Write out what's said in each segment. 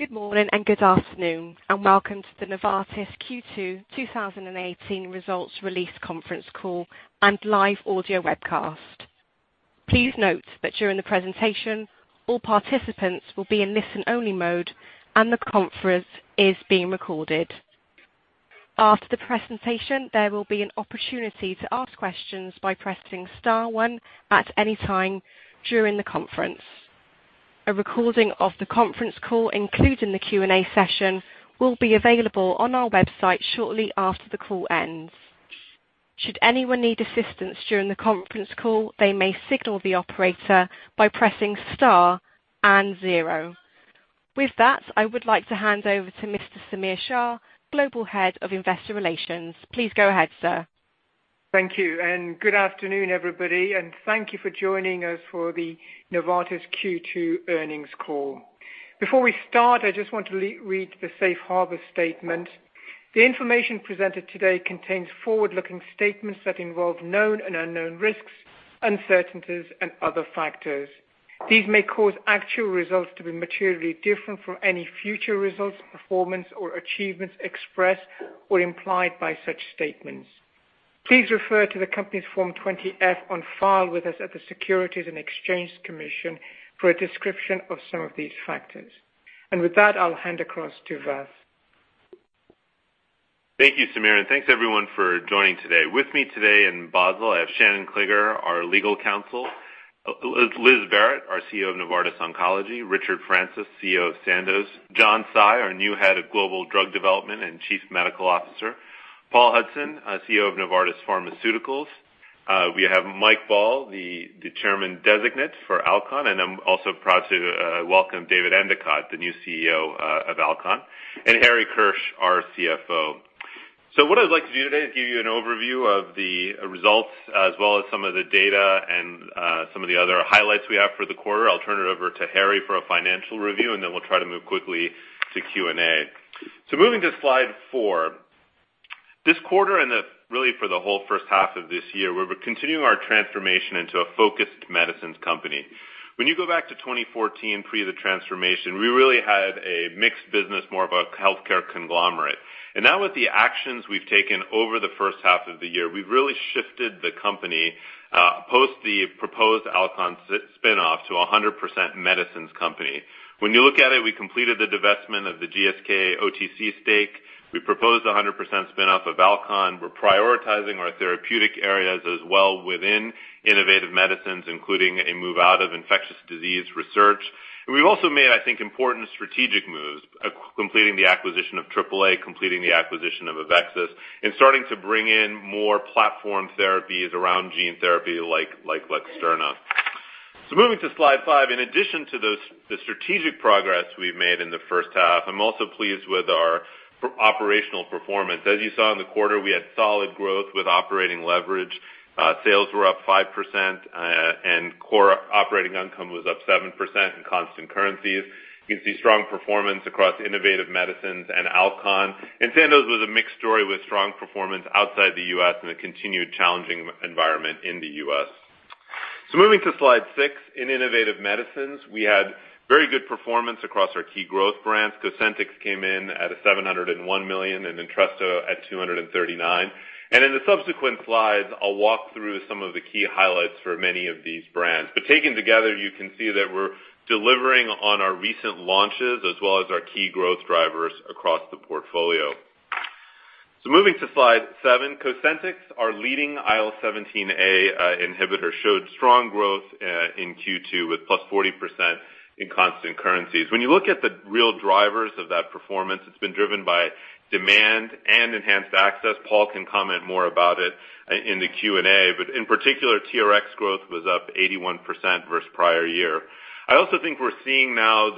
Good morning and good afternoon, and welcome to the Novartis Q2 2018 results release conference call and live audio webcast. Please note that during the presentation, all participants will be in listen-only mode and the conference is being recorded. After the presentation, there will be an opportunity to ask questions by pressing star one at any time during the conference. A recording of the conference call, including the Q&A session, will be available on our website shortly after the call ends. Should anyone need assistance during the conference call, they may signal the operator by pressing star and zero. With that, I would like to hand over to Mr. Samir Shah, Global Head of Investor Relations. Please go ahead, sir. Thank you, and good afternoon, everybody, and thank you for joining us for the Novartis Q2 earnings call. Before we start, I just want to read the safe harbor statement. The information presented today contains forward-looking statements that involve known and unknown risks, uncertainties and other factors. These may cause actual results to be materially different from any future results, performance, or achievements expressed or implied by such statements. Please refer to the company's Form 20-F on file with us at the Securities and Exchange Commission for a description of some of these factors. With that, I'll hand across to Vas. Thank you, Samir, and thanks everyone for joining today. With me today in Basel, I have Shannon Klinger, our legal counsel, Liz Barrett, our CEO of Novartis Oncology, Richard Francis, CEO of Sandoz, John Tsai, our new Head of Global Drug Development and Chief Medical Officer, Paul Hudson, CEO of Novartis Pharmaceuticals. We have Mike Ball, the Chairman-designate for Alcon, and I'm also proud to welcome David Endicott, the new CEO of Alcon, and Harry Kirsch, our CFO. What I'd like to do today is give you an overview of the results as well as some of the data and some of the other highlights we have for the quarter. I'll turn it over to Harry for a financial review, and then we'll try to move quickly to Q&A. Moving to slide four. This quarter and really for the whole first half of this year, we've been continuing our transformation into a focused medicines company. When you go back to 2014, pre the transformation, we really had a mixed business, more of a healthcare conglomerate. Now with the actions we've taken over the first half of the year, we've really shifted the company post the proposed Alcon spin-off to 100% medicines company. When you look at it, we completed the divestment of the GSK OTC stake. We proposed 100% spin off of Alcon. We're prioritizing our therapeutic areas as well within Innovative Medicines, including a move out of infectious disease research. We've also made, I think, important strategic moves, completing the acquisition of Advanced Accelerator Applications, completing the acquisition of AveXis, and starting to bring in more platform therapies around gene therapy like Luxturna. Moving to slide five. In addition to the strategic progress we've made in the first half, I'm also pleased with our operational performance. As you saw in the quarter, we had solid growth with operating leverage. Sales were up 5%, and core operating income was up 7% in constant currencies. You can see strong performance across Innovative Medicines and Alcon. Sandoz was a mixed story with strong performance outside the U.S. and a continued challenging environment in the U.S. Moving to slide six. In Innovative Medicines, we had very good performance across our key growth brands. Cosentyx came in at a $701 million and Entresto at $239. In the subsequent slides, I'll walk through some of the key highlights for many of these brands. Taken together, you can see that we're delivering on our recent launches as well as our key growth drivers across the portfolio. Moving to slide seven. Cosentyx, our leading IL-17A inhibitor, showed strong growth in Q2 with +40% in constant currencies. When you look at the real drivers of that performance, it's been driven by demand and enhanced access. Paul can comment more about it in the Q&A. In particular, TRX growth was up 81% versus prior year. I also think we're seeing now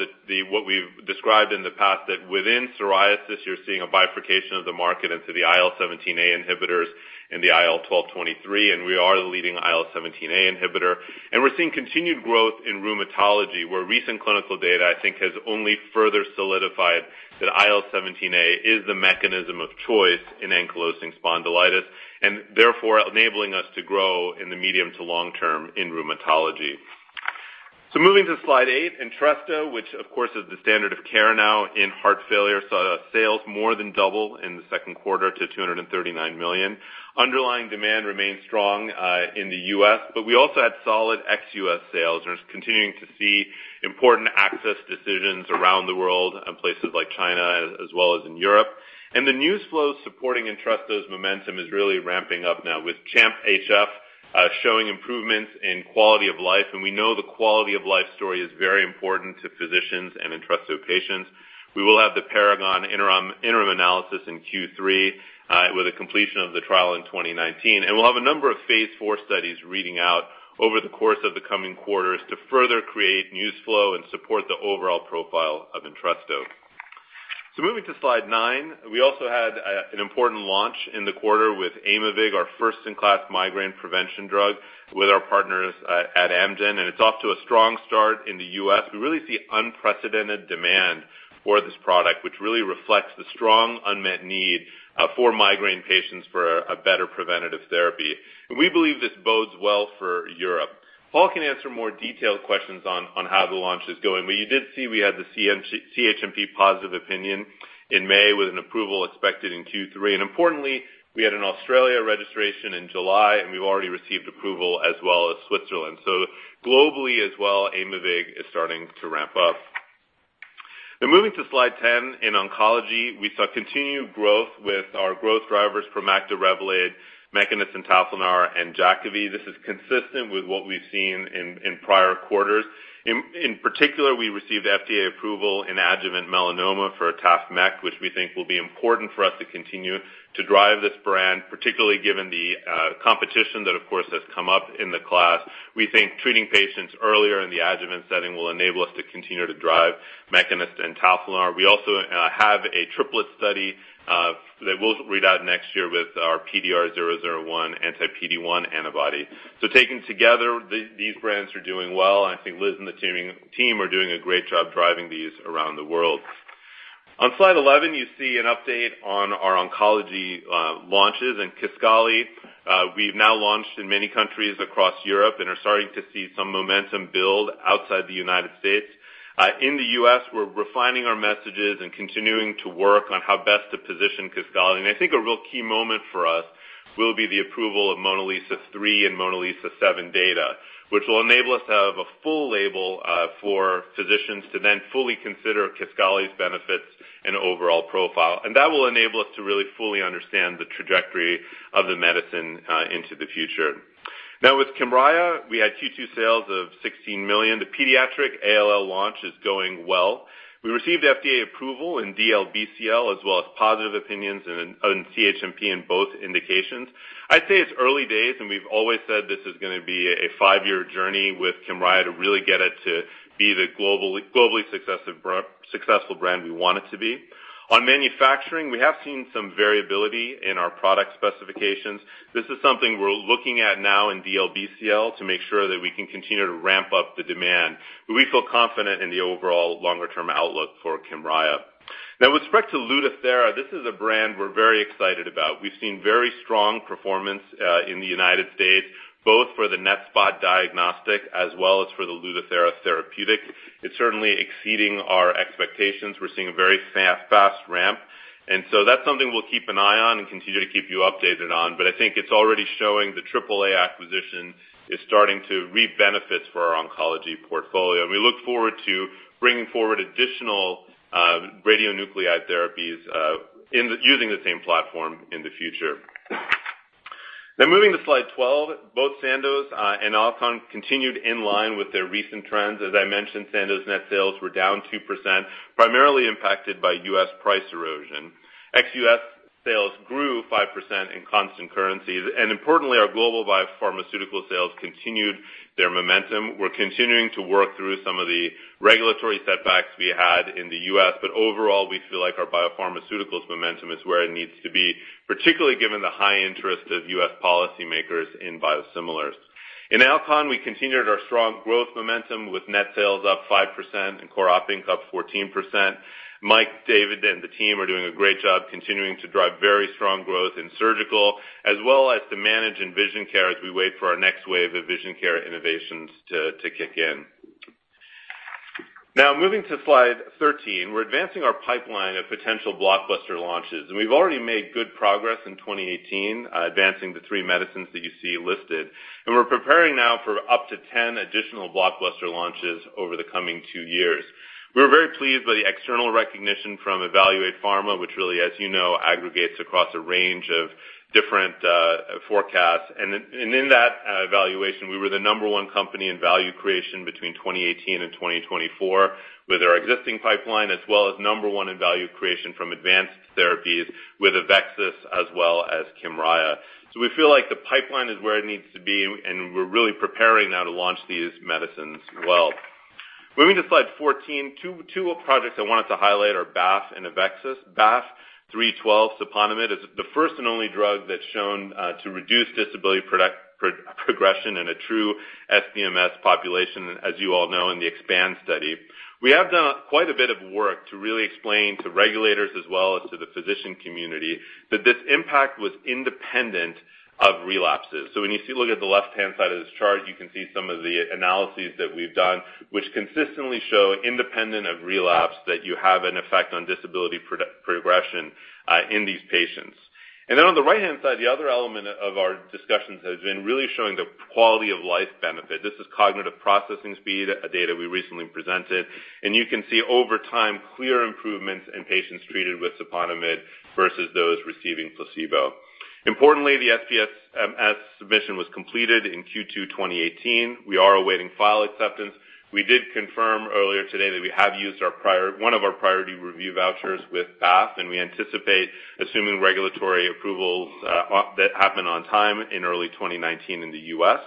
what we've described in the past that within psoriasis you're seeing a bifurcation of the market into the IL-17A inhibitors and the IL-12/23, and we are the leading IL-17A inhibitor. We're seeing continued growth in rheumatology, where recent clinical data, I think, has only further solidified that IL-17A is the mechanism of choice in ankylosing spondylitis, and therefore enabling us to grow in the medium to long term in rheumatology. Moving to slide eight. Entresto, which of course is the standard of care now in heart failure, saw sales more than double in the second quarter to $239 million. Underlying demand remains strong in the U.S., but we also had solid ex-U.S. sales and are continuing to see important access decisions around the world in places like China as well as in Europe. The news flow supporting Entresto's momentum is really ramping up now with CHAMP-HF showing improvements in quality of life, and we know the quality of life story is very important to physicians and Entresto patients. We will have the PARAGON-HF interim analysis in Q3 with the completion of the trial in 2019. We'll have a number of phase IV studies reading out over the course of the coming quarters to further create news flow and support the overall profile of Entresto. Moving to slide nine. We also had an important launch in the quarter with Aimovig, our first in class migraine prevention drug with our partners at Amgen, and it's off to a strong start in the U.S. We really see unprecedented demand for this product, which really reflects the strong unmet need for migraine patients for a better preventative therapy. We believe this bodes well for Europe. Paul can answer more detailed questions on how the launch is going, but you did see we had the CHMP positive opinion in May with an approval expected in Q3. Importantly, we had an Australia registration in July, and we've already received approval as well as Switzerland. Globally as well, Aimovig is starting to ramp up. Moving to slide 10, in oncology, we saw continued growth with our growth drivers, Promacta, Revolade, Mekinist, and Tafinlar and Jakavi. This is consistent with what we've seen in prior quarters. In particular, we received FDA approval in adjuvant melanoma for TAFMEK, which we think will be important for us to continue to drive this brand, particularly given the competition that, of course, has come up in the class. We think treating patients earlier in the adjuvant setting will enable us to continue to drive Mekinist and Tafinlar. We also have a triplet study, that will read out next year with our PDR001 anti-PD-1 antibody. Taken together, these brands are doing well, and I think Liz and the team are doing a great job driving these around the world. On slide 11, you see an update on our oncology launches, and Kisqali, we've now launched in many countries across Europe and are starting to see some momentum build outside the United States. In the U.S., we're refining our messages and continuing to work on how best to position Kisqali. I think a real key moment for us will be the approval of MONALEESA-3 and MONALEESA-7 data, which will enable us to have a full label for physicians to then fully consider Kisqali's benefits and overall profile. That will enable us to really fully understand the trajectory of the medicine into the future. Now with Kymriah, we had Q2 sales of $16 million. The pediatric ALL launch is going well. We received FDA approval in DLBCL as well as positive opinions on CHMP in both indications. I'd say it's early days, and we've always said this is going to be a five-year journey with Kymriah to really get it to be the globally successful brand we want it to be. On manufacturing, we have seen some variability in our product specifications. This is something we're looking at now in DLBCL to make sure that we can continue to ramp up the demand. We feel confident in the overall longer-term outlook for Kymriah. Now with respect to Lutathera, this is a brand we're very excited about. We've seen very strong performance in the United States, both for the NETSPOT diagnostic as well as for the Lutathera therapeutic. It's certainly exceeding our expectations. We're seeing a very fast ramp, that's something we'll keep an eye on and continue to keep you updated on. I think it's already showing the Triple A acquisition is starting to reap benefits for our oncology portfolio. We look forward to bringing forward additional radionuclide therapies using the same platform in the future. Now, moving to slide 12, both Sandoz and Alcon continued in line with their recent trends. As I mentioned, Sandoz net sales were down 2%, primarily impacted by U.S. price erosion. Ex-U.S. sales grew 5% in constant currencies. Importantly, our global biopharmaceutical sales continued their momentum. We're continuing to work through some of the regulatory setbacks we had in the U.S., overall, we feel like our biopharmaceuticals momentum is where it needs to be, particularly given the high interest of U.S. policymakers in biosimilars. In Alcon, we continued our strong growth momentum with net sales up 5% and core operating up 14%. Mike, David, and the team are doing a great job continuing to drive very strong growth in surgical, as well as to manage in vision care as we wait for our next wave of vision care innovations to kick in. Now, moving to slide 13, we're advancing our pipeline of potential blockbuster launches. We've already made good progress in 2018, advancing the three medicines that you see listed. We're preparing now for up to 10 additional blockbuster launches over the coming two years. We were very pleased by the external recognition from Evaluate Pharma, which really, as you know, aggregates across a range of different forecasts. In that evaluation, we were the number one company in value creation between 2018 and 2024 with our existing pipeline, as well as number one in value creation from advanced therapies with AveXis as well as Kymriah. We feel like the pipeline is where it needs to be, and we're really preparing now to launch these medicines well. Moving to slide 14, two projects I wanted to highlight are BAF and AveXis. BAF312 siponimod is the first and only drug that's shown to reduce disability progression in a true SPMS population, as you all know in the EXPAND study. We have done quite a bit of work to really explain to regulators as well as to the physician community that this impact was independent of relapses. When you look at the left-hand side of this chart, you can see some of the analyses that we've done, which consistently show independent of relapse that you have an effect on disability progression in these patients. Then on the right-hand side, the other element of our discussions has been really showing the quality of life benefit. This is cognitive processing speed, a data we recently presented. You can see over time, clear improvements in patients treated with siponimod versus those receiving placebo. Importantly, the SPMS submission was completed in Q2 2018. We are awaiting file acceptance. We did confirm earlier today that we have used one of our priority review vouchers with BAF, we anticipate assuming regulatory approvals that happen on time in early 2019 in the U.S.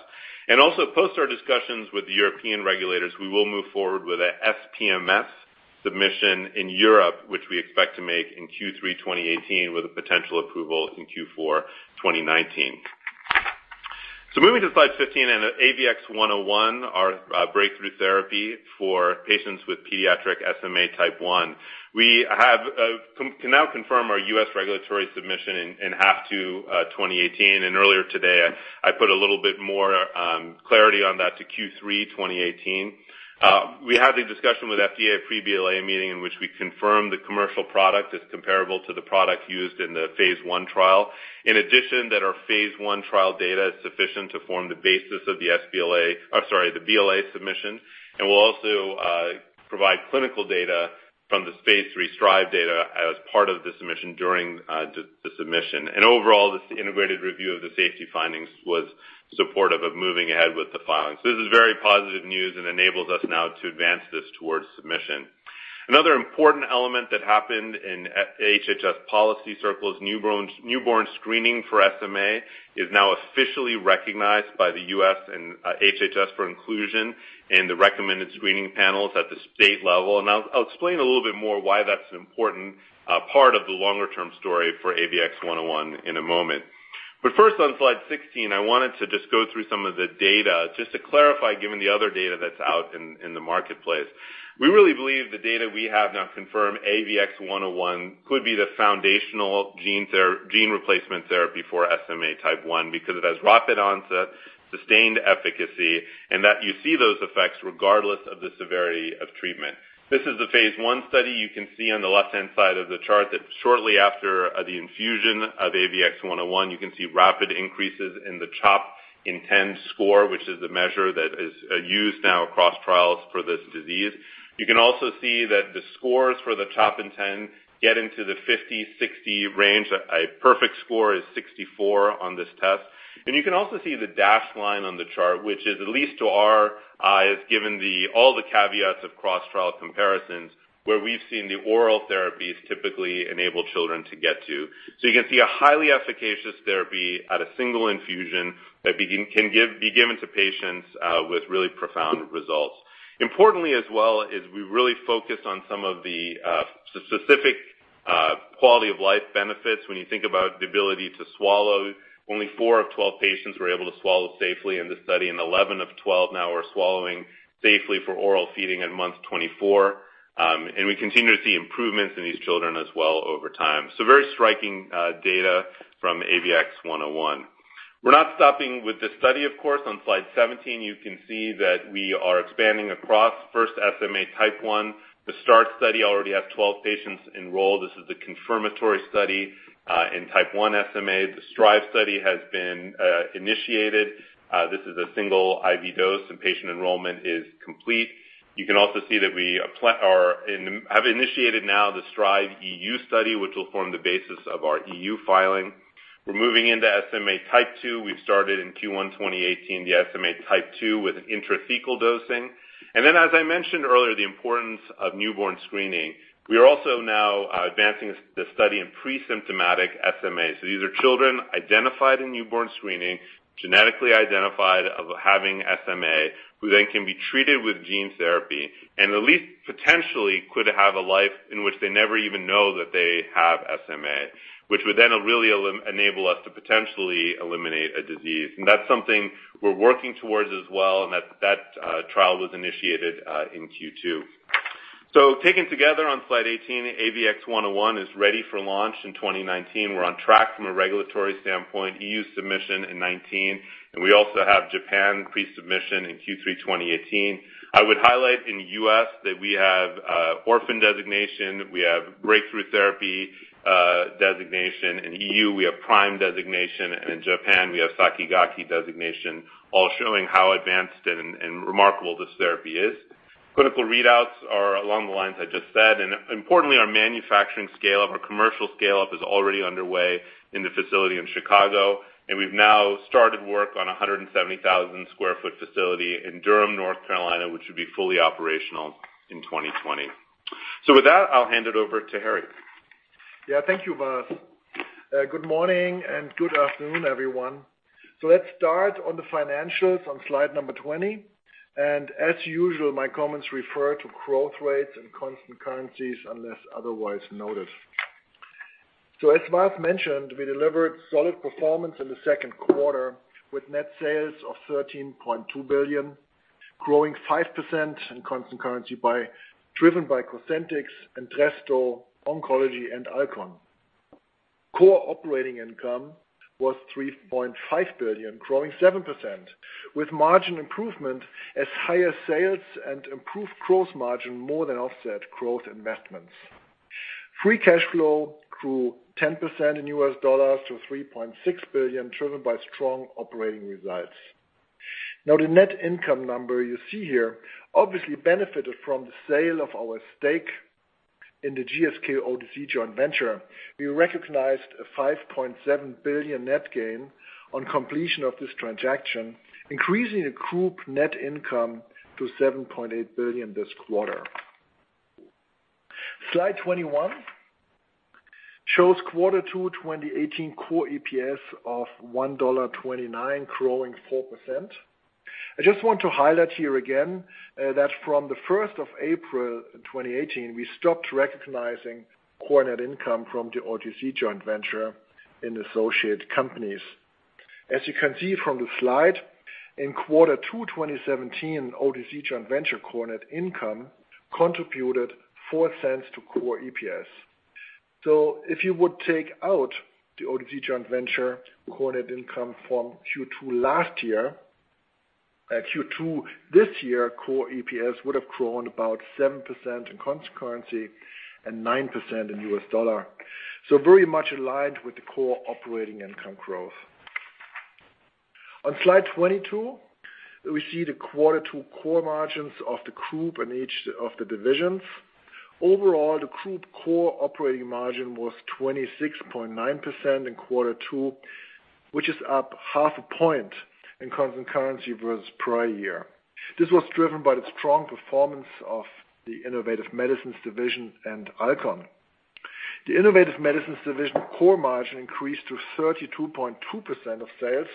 Also post our discussions with the European regulators, we will move forward with a SPMS submission in Europe, which we expect to make in Q3 2018 with a potential approval in Q4 2019. Moving to slide 15 and AVXS-101, our breakthrough therapy for patients with pediatric SMA type 1. We can now confirm our U.S. regulatory submission in half two 2018, earlier today, I put a little bit more clarity on that to Q3 2018. We had a discussion with FDA pre-BLA meeting in which we confirmed the commercial product is comparable to the product used in the phase I trial. In addition, that our phase I trial data is sufficient to form the basis of the BLA submission. We'll also provide clinical data from the phase III STR1VE data as part of the submission during the submission. Overall, this integrated review of the safety findings was supportive of moving ahead with the filings. This is very positive news and enables us now to advance this towards submission. Another important element that happened in HHS policy circle is newborn screening for SMA is now officially recognized by the U.S. and HHS for inclusion in the recommended screening panels at the state level. I'll explain a little bit more why that's an important part of the longer-term story for AVXS-101 in a moment. First on slide 16, I wanted to just go through some of the data just to clarify, given the other data that is out in the marketplace. We really believe the data we have now confirm AVXS-101 could be the foundational gene replacement therapy for SMA type 1 because it has rapid onset, sustained efficacy, and that you see those effects regardless of the severity of treatment. This is the phase I study. You can see on the left-hand side of the chart that shortly after the infusion of AVXS-101, you can see rapid increases in the CHOP-INTEND score, which is a measure that is used now across trials for this disease. You can also see that the scores for the CHOP-INTEND get into the 50, 60 range. A perfect score is 64 on this test. You can also see the dashed line on the chart, which is at least to our eyes, given all the caveats of cross-trial comparisons, where we have seen the oral therapies typically enable children to get to. You can see a highly efficacious therapy at a single infusion that can be given to patients with really profound results. Importantly as well is we really focus on some of the specific quality of life benefits. When you think about the ability to swallow, only four of 12 patients were able to swallow safely in the study, and 11 of 12 now are swallowing safely for oral feeding at month 24. We continue to see improvements in these children as well over time. Very striking data from AVXS-101. We are not stopping with this study, of course. On slide 17, you can see that we are expanding across first SMA type 1. The START study already has 12 patients enrolled. This is the confirmatory study in type 1 SMA. The STR1VE study has been initiated. This is a single IV dose, and patient enrollment is complete. You can also see that we have initiated now the STR1VE-EU study, which will form the basis of our EU filing. We are moving into SMA type 2. We have started in Q1 2018, the SMA type 2 with an intrathecal dosing. Then, as I mentioned earlier, the importance of newborn screening. We are also now advancing the study in pre-symptomatic SMA. These are children identified in newborn screening, genetically identified of having SMA, who then can be treated with gene therapy, and at least potentially could have a life in which they never even know that they have SMA, which would then really enable us to potentially eliminate a disease. That is something we are working towards as well, and that trial was initiated in Q2. Taken together on slide 18, AVXS-101 is ready for launch in 2019. We are on track from a regulatory standpoint, EU submission in 2019. We also have Japan pre-submission in Q3 2018. I would highlight in the U.S. that we have orphan designation, we have breakthrough therapy designation. In EU, we have PRIME designation, and in Japan, we have Sakigake designation, all showing how advanced and remarkable this therapy is. Clinical readouts are along the lines I just said. Importantly, our manufacturing scale-up, our commercial scale-up is already underway in the facility in Chicago. We've now started work on 170,000 sq ft facility in Durham, North Carolina, which should be fully operational in 2020. With that, I'll hand it over to Harry. Yeah. Thank you, Vas. Good morning and good afternoon, everyone. Let's start on the financials on slide number 20. As usual, my comments refer to growth rates and constant currencies unless otherwise noted. As Vas mentioned, we delivered solid performance in the second quarter with net sales of $13.2 billion, growing 5% in constant currency driven by Cosentyx, Entresto, Oncology, and Alcon. Core operating income was $3.5 billion, growing 7%, with margin improvement as higher sales and improved gross margin more than offset growth investments. Free cash flow grew 10% in US dollars to $3.6 billion, driven by strong operating results. The net income number you see here obviously benefited from the sale of our stake in the GSK/OTC joint venture. We recognized a $5.7 billion net gain on completion of this transaction, increasing the group net income to $7.8 billion this quarter. Slide 21 shows quarter two 2018 core EPS of $1.29, growing 4%. I just want to highlight here again that from the 1st of April 2018, we stopped recognizing core net income from the OTC joint venture in associate companies. As you can see from the slide, in quarter two 2017, OTC joint venture core net income contributed $0.04 to core EPS. If you would take out the OTC joint venture core net income from Q2 this year, core EPS would have grown about 7% in constant currency and 9% in US dollar. Very much aligned with the core operating income growth. On slide 22, we see the quarter two core margins of the group in each of the divisions. Overall, the group core operating margin was 26.9% in quarter two, which is up half a point in constant currency versus prior year. This was driven by the strong performance of the Innovative Medicines division and Alcon. The Innovative Medicines division core margin increased to 32.2% of sales.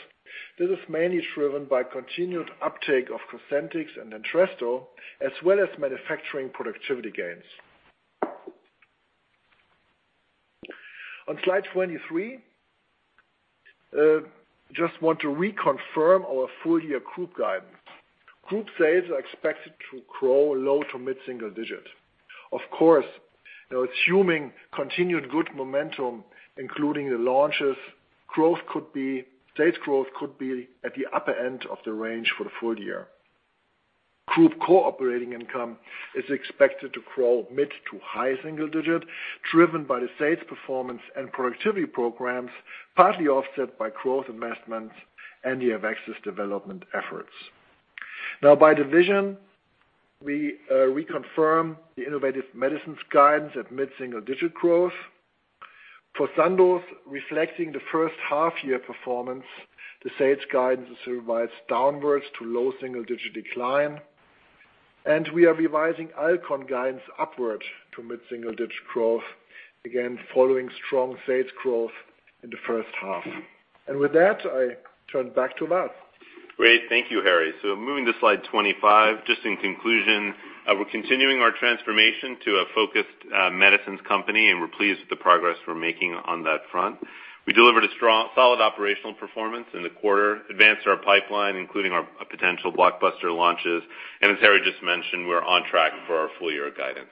This is mainly driven by continued uptake of Cosentyx and Entresto, as well as manufacturing productivity gains. On slide 23, just want to reconfirm our full-year group guidance. Group sales are expected to grow low to mid-single digit. Of course, now assuming continued good momentum, including the launches, sales growth could be at the upper end of the range for the full year. Group core operating income is expected to grow mid to high single digit, driven by the sales performance and productivity programs, partly offset by growth investments and the AveXis development efforts. By division, we reconfirm the Innovative Medicines guidance at mid-single digit growth. For Sandoz, reflecting the first half-year performance, the sales guidance revised downwards to low single-digit decline. We are revising Alcon guidance upward to mid-single-digit growth, again, following strong sales growth in the first half. With that, I turn back to Vas. Great. Thank you, Harry. Moving to slide 25, just in conclusion, we're continuing our transformation to a focused medicines company, and we're pleased with the progress we're making on that front. We delivered a solid operational performance in the quarter, advanced our pipeline, including our potential blockbuster launches. As Harry just mentioned, we're on track for our full-year guidance.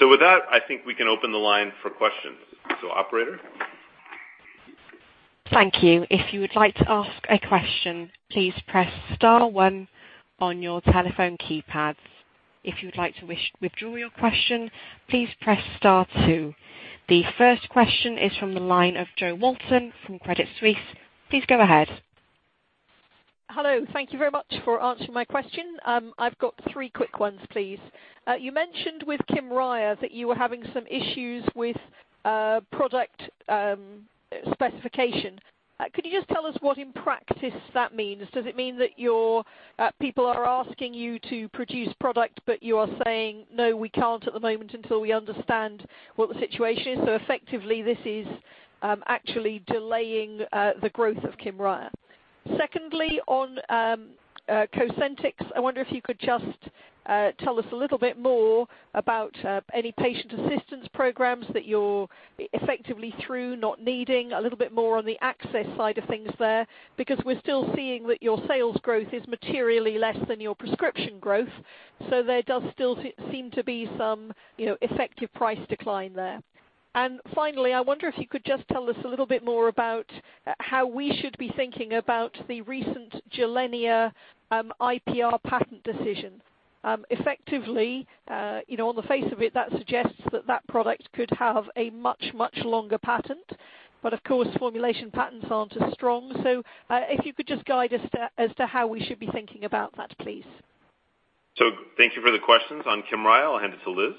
With that, I think we can open the line for questions. Operator? Thank you. If you would like to ask a question, please press star one on your telephone keypads. If you would like to withdraw your question, please press star two. The first question is from the line of Jo Walton from Credit Suisse. Please go ahead. Hello. Thank you very much for answering my question. I've got three quick ones, please. You mentioned with Kymriah that you were having some issues with product specification. Could you just tell us what in practice that means? Does it mean that your people are asking you to produce product, but you are saying, "No, we can't at the moment until we understand what the situation is." Effectively, this is actually delaying the growth of Kymriah. Secondly, on Cosentyx, I wonder if you could just tell us a little bit more about any patient assistance programs that you're effectively through not needing, a little bit more on the access side of things there, because we're still seeing that your sales growth is materially less than your prescription growth. There does still seem to be some effective price decline there. I wonder if you could just tell us a little bit more about how we should be thinking about the recent Gilenya IPR patent decision. Effectively, on the face of it, that suggests that product could have a much, much longer patent. Of course, formulation patents aren't as strong. If you could just guide us as to how we should be thinking about that, please. Thank you for the questions on Kymriah. I'll hand it to Liz.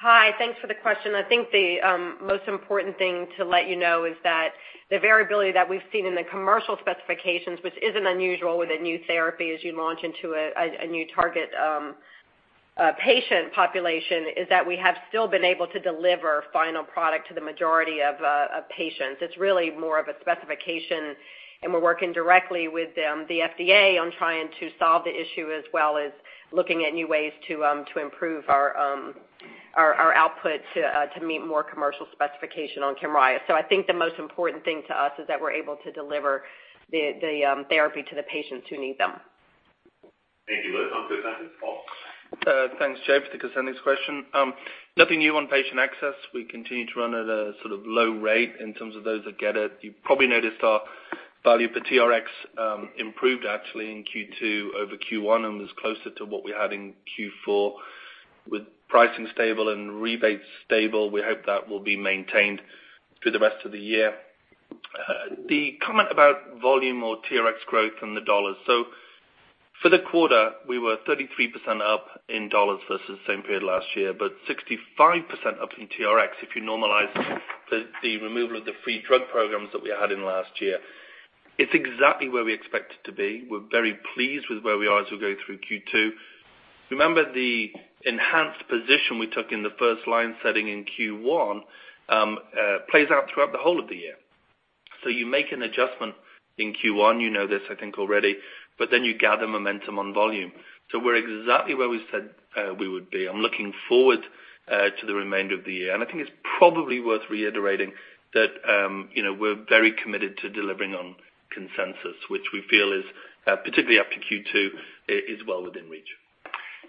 Hi, thanks for the question. I think the most important thing to let you know is that the variability that we've seen in the commercial specifications, which isn't unusual with a new therapy as you launch into a new target patient population, is that we have still been able to deliver final product to the majority of patients. It's really more of a specification, and we're working directly with the FDA on trying to solve the issue as well as looking at new ways to improve our output to meet more commercial specification on Kymriah. I think the most important thing to us is that we're able to deliver the therapy to the patients who need them. Thank you, Liz. On Cosentyx, Paul? Thanks, Jo, for the Cosentyx question. Nothing new on patient access. We continue to run at a sort of low rate in terms of those that get it. You probably noticed our value per TRX improved actually in Q2 over Q1 and was closer to what we had in Q4. With pricing stable and rebates stable, we hope that will be maintained through the rest of the year. The comment about volume or TRX growth and the dollars. For the quarter, we were 33% up in dollars versus the same period last year, but 65% up in TRX if you normalize the removal of the free drug programs that we had in last year. It's exactly where we expect it to be. We're very pleased with where we are as we go through Q2. Remember the enhanced position we took in the first line setting in Q1, plays out throughout the whole of the year. You make an adjustment in Q1, you know this, I think already, but then you gather momentum on volume. We're exactly where we said we would be. I'm looking forward to the remainder of the year, and I think it's probably worth reiterating that we're very committed to delivering on consensus, which we feel is particularly up to Q2, is well within reach.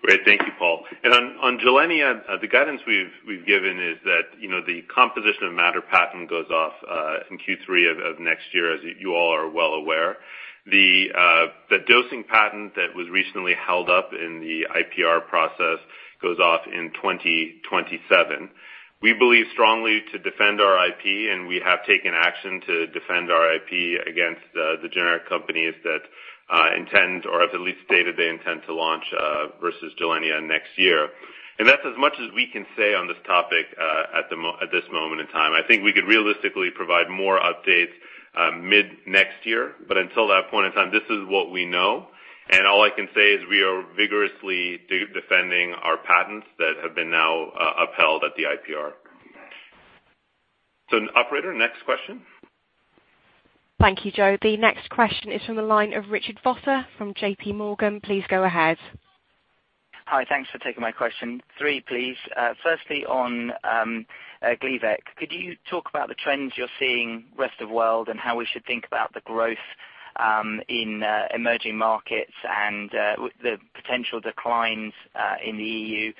Great. Thank you, Paul. On Gilenya, the guidance we've given is that, the composition of matter patent goes off, in Q3 of next year, as you all are well aware. The dosing patent that was recently held up in the IPR process goes off in 2027. We believe strongly to defend our IP, and we have taken action to defend our IP against the generic companies that intend, or have at least stated they intend to launch, versus Gilenya next year. That's as much as we can say on this topic at this moment in time. I think we could realistically provide more updates mid next year, but until that point in time, this is what we know, and all I can say is we are vigorously defending our patents that have been now upheld at the IPR. Operator, next question. Thank you, Jo. The next question is from the line of Richard Vosser from J.P. Morgan. Please go ahead. Hi. Thanks for taking my question. Three, please. Firstly on Gleevec. Could you talk about the trends you're seeing rest of world and how we should think about the growth in emerging markets and with the potential declines in the EU?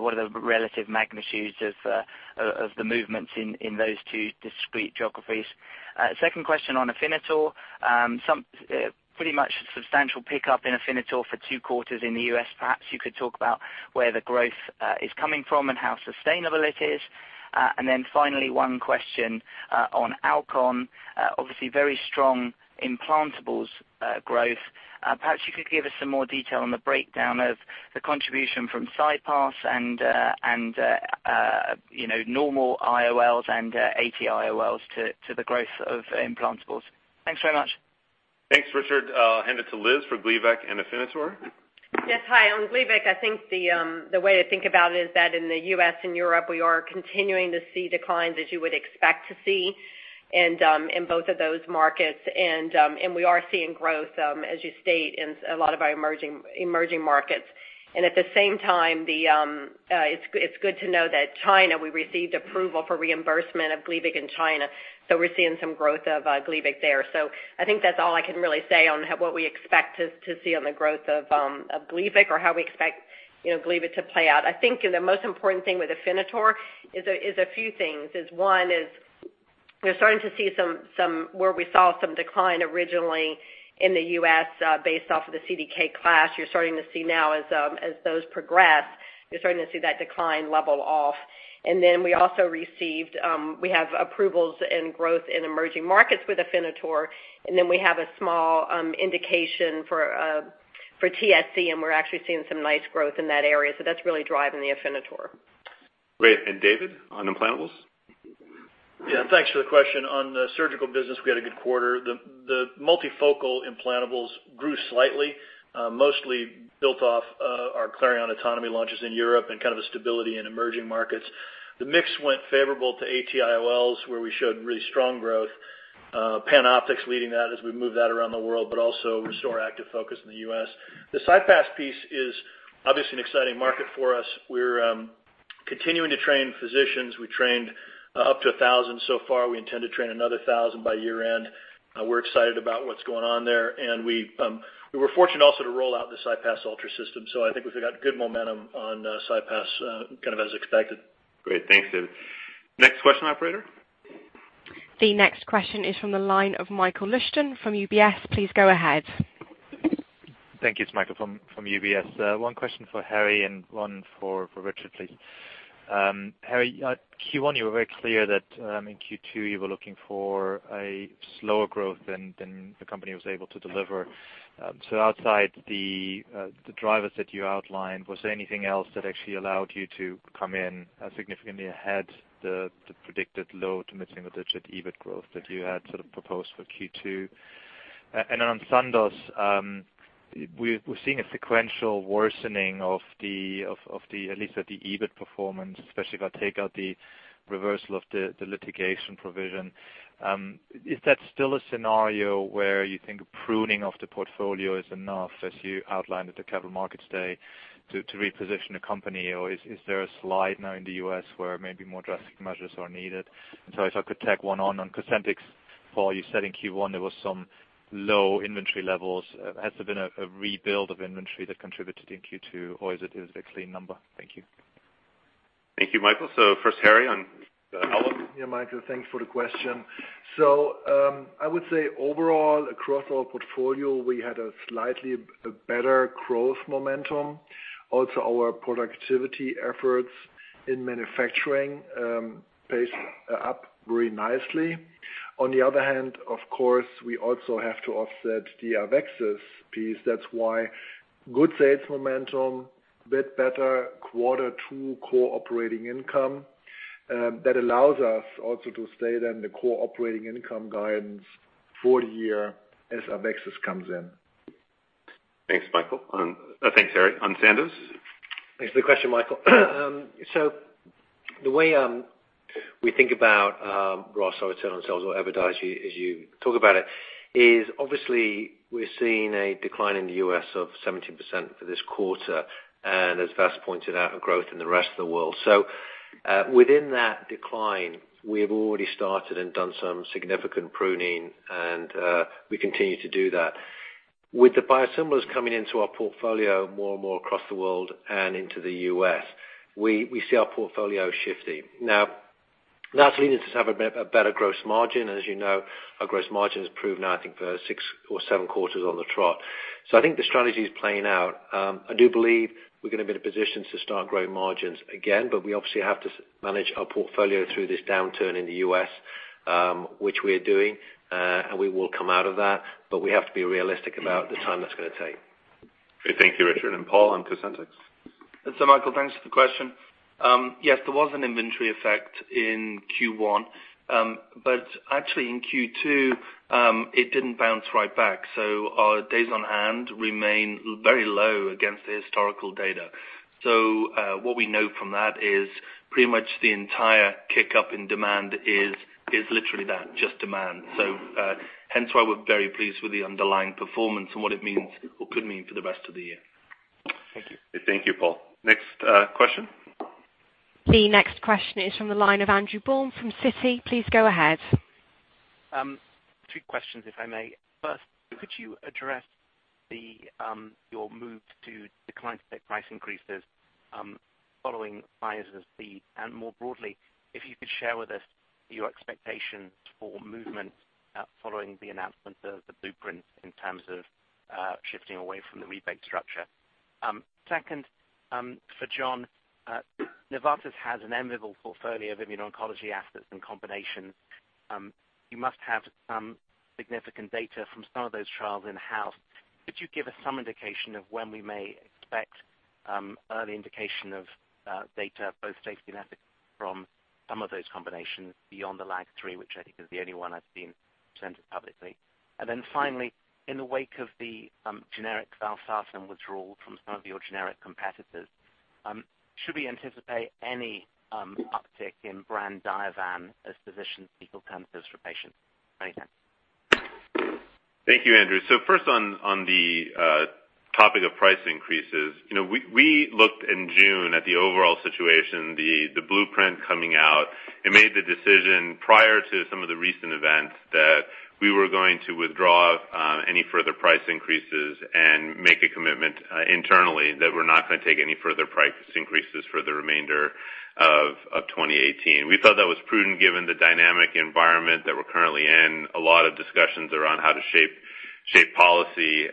What are the relative magnitudes of the movements in those two discrete geographies? Second question on Afinitor. Pretty much substantial pickup in Afinitor for 2 quarters in the U.S. Perhaps you could talk about where the growth is coming from and how sustainable it is. Finally, one question on Alcon. Obviously, very strong implantables growth. Perhaps you could give us some more detail on the breakdown of the contribution from CyPass and normal IOLs and AT IOLs to the growth of implantables. Thanks very much. Thanks, Richard. I'll hand it to Liz for Gleevec and Afinitor. Yes. Hi. On Gleevec, I think the way to think about it is that in the U.S. and Europe, we are continuing to see declines as you would expect to see in both of those markets. We are seeing growth, as you state, in a lot of our emerging markets. At the same time, it's good to know that China, we received approval for reimbursement of Gleevec in China, so we're seeing some growth of Gleevec there. I think that's all I can really say on what we expect to see on the growth of Gleevec or how we expect Gleevec to play out. I think the most important thing with Afinitor is a few things. One is we're starting to see where we saw some decline originally in the U.S. based off of the CDK class, you're starting to see now as those progress, you're starting to see that decline level off. We also received, we have approvals and growth in emerging markets with Afinitor. We have a small indication for TSC, and we're actually seeing some nice growth in that area. That's really driving the Afinitor. Great. David, on implantables? Yeah, thanks for the question. On the surgical business, we had a good quarter. The multifocal implantables grew slightly, mostly built off our Clareon AutonoMe launches in Europe and kind of a stability in emerging markets. The mix went favorable to AT IOLs, where we showed really strong growth. PanOptix leading that as we move that around the world, but also ReSTOR active focus in the U.S. The CyPass piece is obviously an exciting market for us. We're continuing to train physicians. We trained up to 1,000 so far. We intend to train another 1,000 by year-end. We're excited about what's going on there. We were fortunate also to roll out the CyPass Ultra system. I think we've got good momentum on CyPass, kind of as expected. Great. Thanks, David. Next question, operator. The next question is from the line of Michael Leuchten from UBS. Please go ahead. Thank you. It's Michael from UBS. One question for Harry and one for Richard, please. Harry, Q1, you were very clear that in Q2, you were looking for a slower growth than the company was able to deliver. Outside the drivers that you outlined, was there anything else that actually allowed you to come in significantly ahead the predicted low to mid-single-digit EBIT growth that you had sort of proposed for Q2? On Sandoz, we're seeing a sequential worsening of the, at least at the EBIT performance, especially if I take out the reversal of the litigation provision. Is that still a scenario where you think pruning of the portfolio is enough, as you outlined at the Capital Markets Day, to reposition the company, or is there a slide now in the U.S. where maybe more drastic measures are needed? If I could tag one on Cosentyx, Paul, you said in Q1 there was some low inventory levels. Has there been a rebuild of inventory that contributed in Q2, or is it a clean number? Thank you. Thank you, Michael. First, Harry on Alcon. Yeah, Michael, thanks for the question. I would say overall, across our portfolio, we had a slightly better growth momentum. Also, our productivity efforts in manufacturing paced up very nicely. On the other hand, of course, we also have to offset the AveXis piece. That's why good sales momentum, bit better Q2 core operating income. That allows us also to stay then the core operating income guidance For the year as AveXis comes in. Thanks, Richard. On Sandoz? Thanks for the question, Michael. The way we think about gross or return on sales or EBITDA as you talk about it is obviously we're seeing a decline in the U.S. of 17% for this quarter, and as Vas pointed out, a growth in the rest of the world. Within that decline, we have already started and done some significant pruning, and we continue to do that. With the biosimilars coming into our portfolio more and more across the world and into the U.S., we see our portfolio shifting. Now, that's leading us to have a better gross margin. As you know, our gross margin has improved now, I think, for six or seven quarters on the trot. I think the strategy is playing out. I do believe we're going to be in a position to start growing margins again, but we obviously have to manage our portfolio through this downturn in the U.S., which we are doing. We will come out of that, but we have to be realistic about the time that's going to take. Thank you, Richard. Paul, on Cosentyx. Michael, thanks for the question. Yes, there was an inventory effect in Q1. Actually in Q2, it didn't bounce right back, so our days on hand remain very low against the historical data. What we know from that is pretty much the entire kick-up in demand is literally that, just demand. Hence why we're very pleased with the underlying performance and what it means or could mean for the rest of the year. Thank you. Thank you, Paul. Next question. The next question is from the line of Andrew Baum from Citi. Please go ahead. Three questions, if I may. First, could you address your move to decline to take price increases, following Pfizer's lead, and more broadly, if you could share with us your expectations for movement, following the announcement of the blueprint in terms of shifting away from the rebate structure. Second, for John, Novartis has an enviable portfolio of immuno-oncology assets and combinations. You must have some significant data from some of those trials in-house. Could you give us some indication of when we may expect early indication of data, both safety and efficacy from some of those combinations beyond the LAG-3, which I think is the only one I've seen presented publicly. Finally, in the wake of the generic valsartan withdrawal from some of your generic competitors, should we anticipate any uptick in brand Diovan as physicians seek alternatives for patients? Many thanks. Thank you, Andrew. First on the topic of price increases, we looked in June at the overall situation, the blueprint coming out, and made the decision prior to some of the recent events that we were going to withdraw any further price increases and make a commitment internally that we're not going to take any further price increases for the remainder of 2018. We thought that was prudent given the dynamic environment that we're currently in, a lot of discussions around how to shape policy.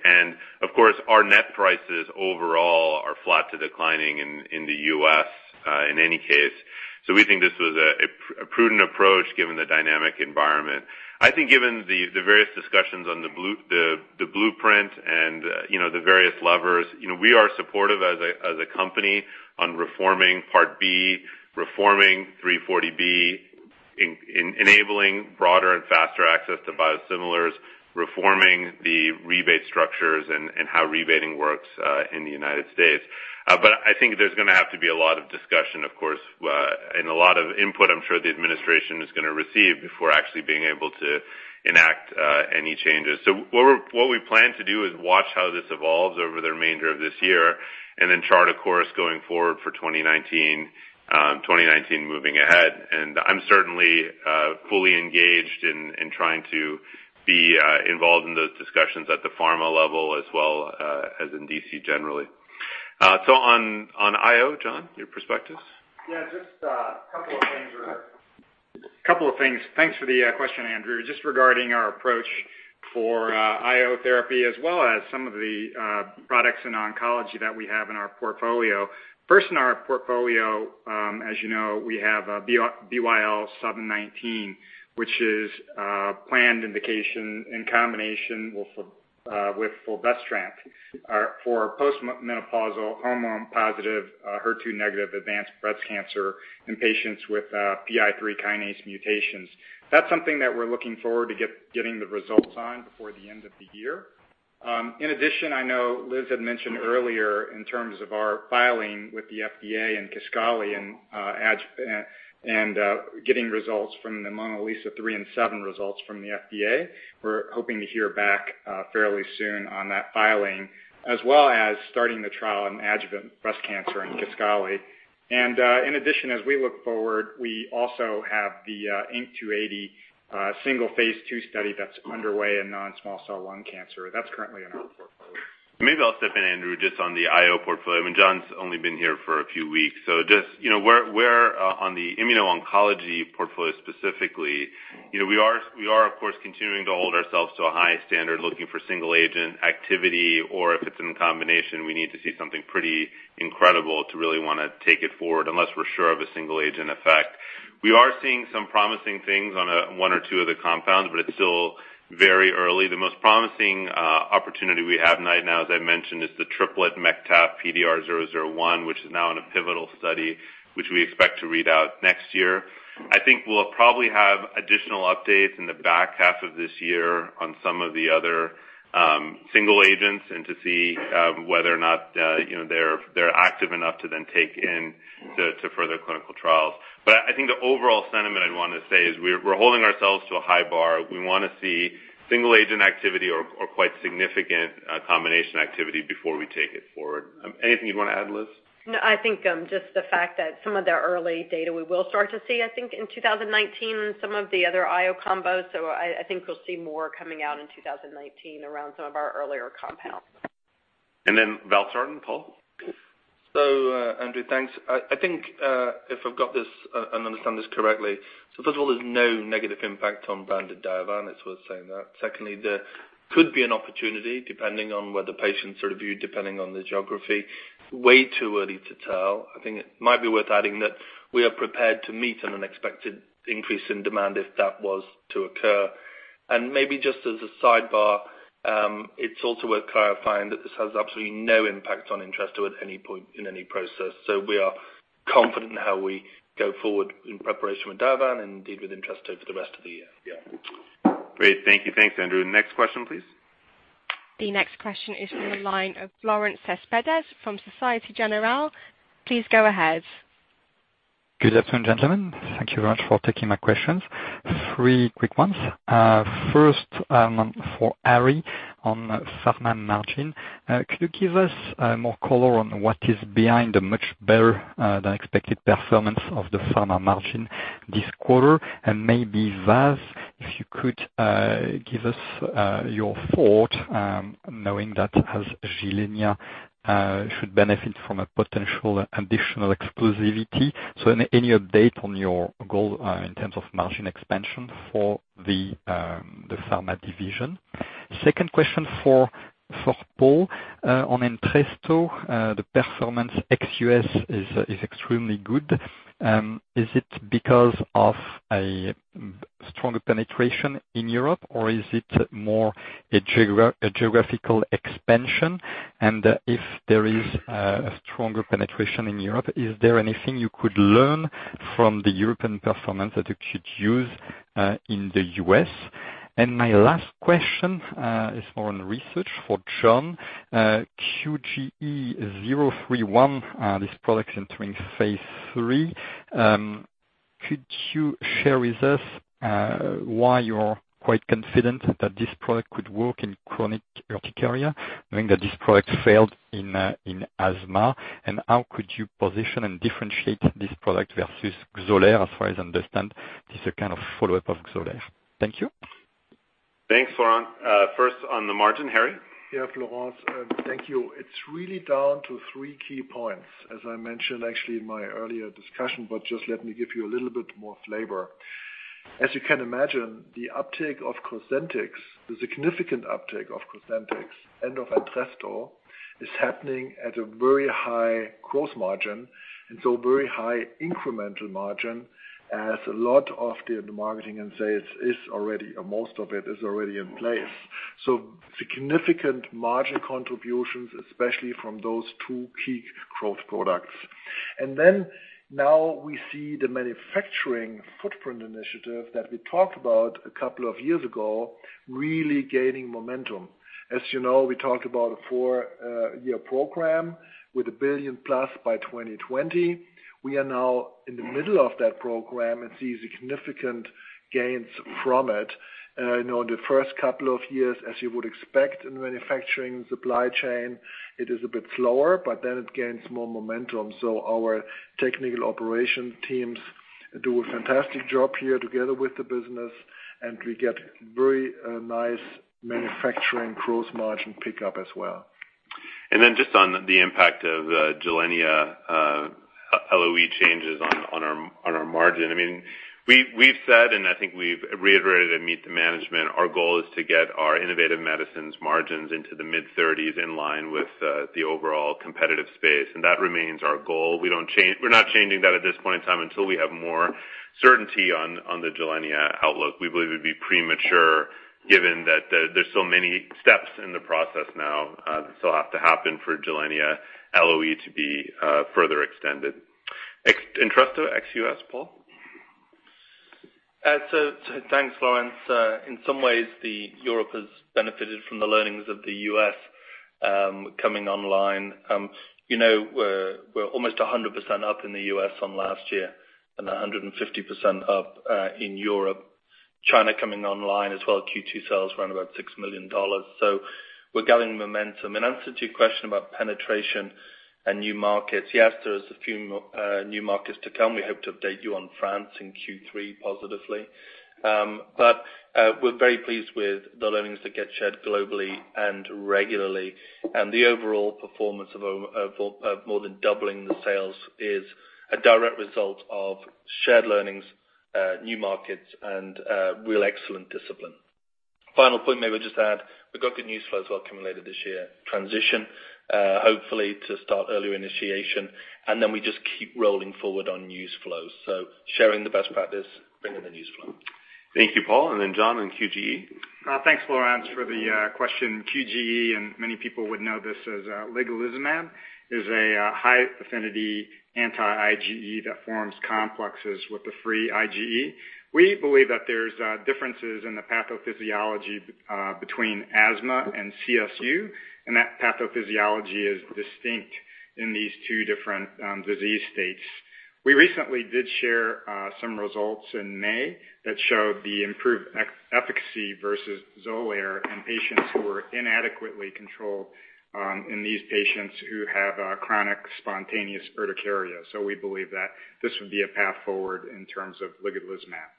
Of course, our net prices overall are flat to declining in the U.S., in any case. We think this was a prudent approach given the dynamic environment. I think given the various discussions on the blueprint and the various levers, we are supportive as a company on reforming Part B, reforming 340B, enabling broader and faster access to biosimilars, reforming the rebate structures and how rebating works in the United States. I think there's going to have to be a lot of discussion, of course, and a lot of input I'm sure the administration is going to receive before actually being able to enact any changes. What we plan to do is watch how this evolves over the remainder of this year and then chart a course going forward for 2019 moving ahead. I'm certainly fully engaged in trying to be involved in those discussions at the pharma level as well as in D.C. generally. On IO, John, your perspectives? Yeah, just a couple of things. Thanks for the question, Andrew. Just regarding our approach for IO therapy as well as some of the products in oncology that we have in our portfolio. First in our portfolio, as you know, we have a BYL719, which is planned indication in combination with fulvestrant for post-menopausal hormone positive, HER2 negative advanced breast cancer in patients with PI3 kinase mutations. That's something that we're looking forward to getting the results on before the end of the year. In addition, I know Liz had mentioned earlier in terms of our filing with the FDA and Kisqali and getting results from the MONALEESA-3 and 7 results from the FDA. We're hoping to hear back fairly soon on that filing, as well as starting the trial in adjuvant breast cancer in Kisqali. In addition, as we look forward, we also have the INC280 single phase II study that's underway in non-small cell lung cancer. That's currently in our portfolio. Maybe I'll step in, Andrew, just on the IO portfolio. I mean, John's only been here for a few weeks. Just where on the immuno-oncology portfolio specifically, we are of course, continuing to hold ourselves to a high standard looking for single agent activity, or if it's in combination, we need to see something pretty incredible to really want to take it forward unless we're sure of a single agent effect. We are seeing some promising things on one or two of the compounds, but it's still very early. The most promising opportunity we have right now, as I mentioned, is the triplet MEK/Taf/PDR001, which is now in a pivotal study, which we expect to read out next year. I think we'll probably have additional updates in the back half of this year on some of the other single agents and to see whether or not they're active enough to then take in to further clinical trials. I think the overall sentiment I'd want to say is we're holding ourselves to a high bar. We want to see single agent activity or quite significant combination activity before we take it forward. Anything you'd want to add, Liz? No, I think just the fact that some of the early data we will start to see, I think, in 2019, some of the other IO combos. I think we'll see more coming out in 2019 around some of our earlier compounds. And then we'll start with Paul? Andrew, thanks. I think, if I've got this and understand this correctly, first of all, there's no negative impact on branded Diovan, it's worth saying that. Secondly, there could be an opportunity depending on whether patients are reviewed, depending on the geography. Way too early to tell. I think it might be worth adding that we are prepared to meet an unexpected increase in demand if that was to occur. Maybe just as a sidebar, it's also worth clarifying that this has absolutely no impact on Entresto at any point in any process. We are confident in how we go forward in preparation with Diovan and indeed with Entresto for the rest of the year. Yeah. Great. Thank you. Thanks, Andrew. Next question, please. The next question is from the line of Florent Cespedes from Societe Generale. Please go ahead. Good afternoon, gentlemen. Thank you very much for taking my questions. Three quick ones. First, for Harry, on pharma margin. Could you give us more color on what is behind the much better than expected performance of the pharma margin this quarter? Maybe, Vas, if you could give us your thought, knowing that as Gilenya should benefit from a potential additional exclusivity. Any update on your goal in terms of margin expansion for the pharma division? Second question for Paul on Entresto. The performance ex-U.S. is extremely good. Is it because of a stronger penetration in Europe or is it more a geographical expansion? If there is a stronger penetration in Europe, is there anything you could learn from the European performance that you could use in the U.S.? My last question is more on research for John. QGE031, this product's entering phase III. Could you share with us why you're quite confident that this product could work in chronic urticaria, knowing that this product failed in asthma? How could you position and differentiate this product versus Xolair? As far as I understand, this is a kind of follow-up of Xolair. Thank you. Thanks, Florent. First on the margin, Harry? Yeah, Florent, thank you. It's really down to three key points, as I mentioned actually in my earlier discussion. Let me give you a little bit more flavor. As you can imagine, the uptake of Cosentyx, the significant uptake of Cosentyx and of Entresto is happening at a very high gross margin, very high incremental margin as a lot of the marketing and sales is already, or most of it is already in place. Significant margin contributions, especially from those two key growth products. Now we see the manufacturing footprint initiative that we talked about a couple of years ago really gaining momentum. As you know, we talked about a four-year program with $1 billion plus by 2020. We are now in the middle of that program and see significant gains from it. The first couple of years, as you would expect in manufacturing supply chain, it is a bit slower. It gains more momentum. Our Technical Operations teams do a fantastic job here together with the business, and we get very nice manufacturing gross margin pickup as well. Just on the impact of Gilenya LOE changes on our margin. We've said, and I think we've reiterated at Meet the Management, our goal is to get our Innovative Medicines margins into the mid-30s in line with the overall competitive space. That remains our goal. We're not changing that at this point in time until we have more certainty on the Gilenya outlook. We believe it'd be premature given that there's so many steps in the process now that still have to happen for Gilenya LOE to be further extended. Entresto ex-U.S., Paul? Thanks, Laurent. In some ways, Europe has benefited from the learnings of the U.S. coming online. We're almost 100% up in the U.S. on last year and 150% up in Europe. China coming online as well. Q2 sales were around about $6 million. We're gathering momentum. In answer to your question about penetration and new markets, yes, there is a few new markets to come. We hope to update you on France in Q3 positively. We're very pleased with the learnings that get shared globally and regularly. The overall performance of more than doubling the sales is a direct result of shared learnings, new markets, and real excellent discipline. Final point, may I just add, we've got good news flows well accumulated this year, transition hopefully to start earlier initiation. We just keep rolling forward on news flows. Sharing the best practice, bringing the news flow. Thank you, Paul. John on QGE. Thanks, Florent, for the question. QGE and many people would know this as ligelizumab, is a high-affinity anti-IgE that forms complexes with the free IgE. We believe that there's differences in the pathophysiology between asthma and CSU, and that pathophysiology is distinct in these two different disease states. We recently did share some results in May that showed the improved efficacy versus Xolair in patients who are inadequately controlled, in these patients who have chronic spontaneous urticaria. We believe that this would be a path forward in terms of ligelizumab. Thank you.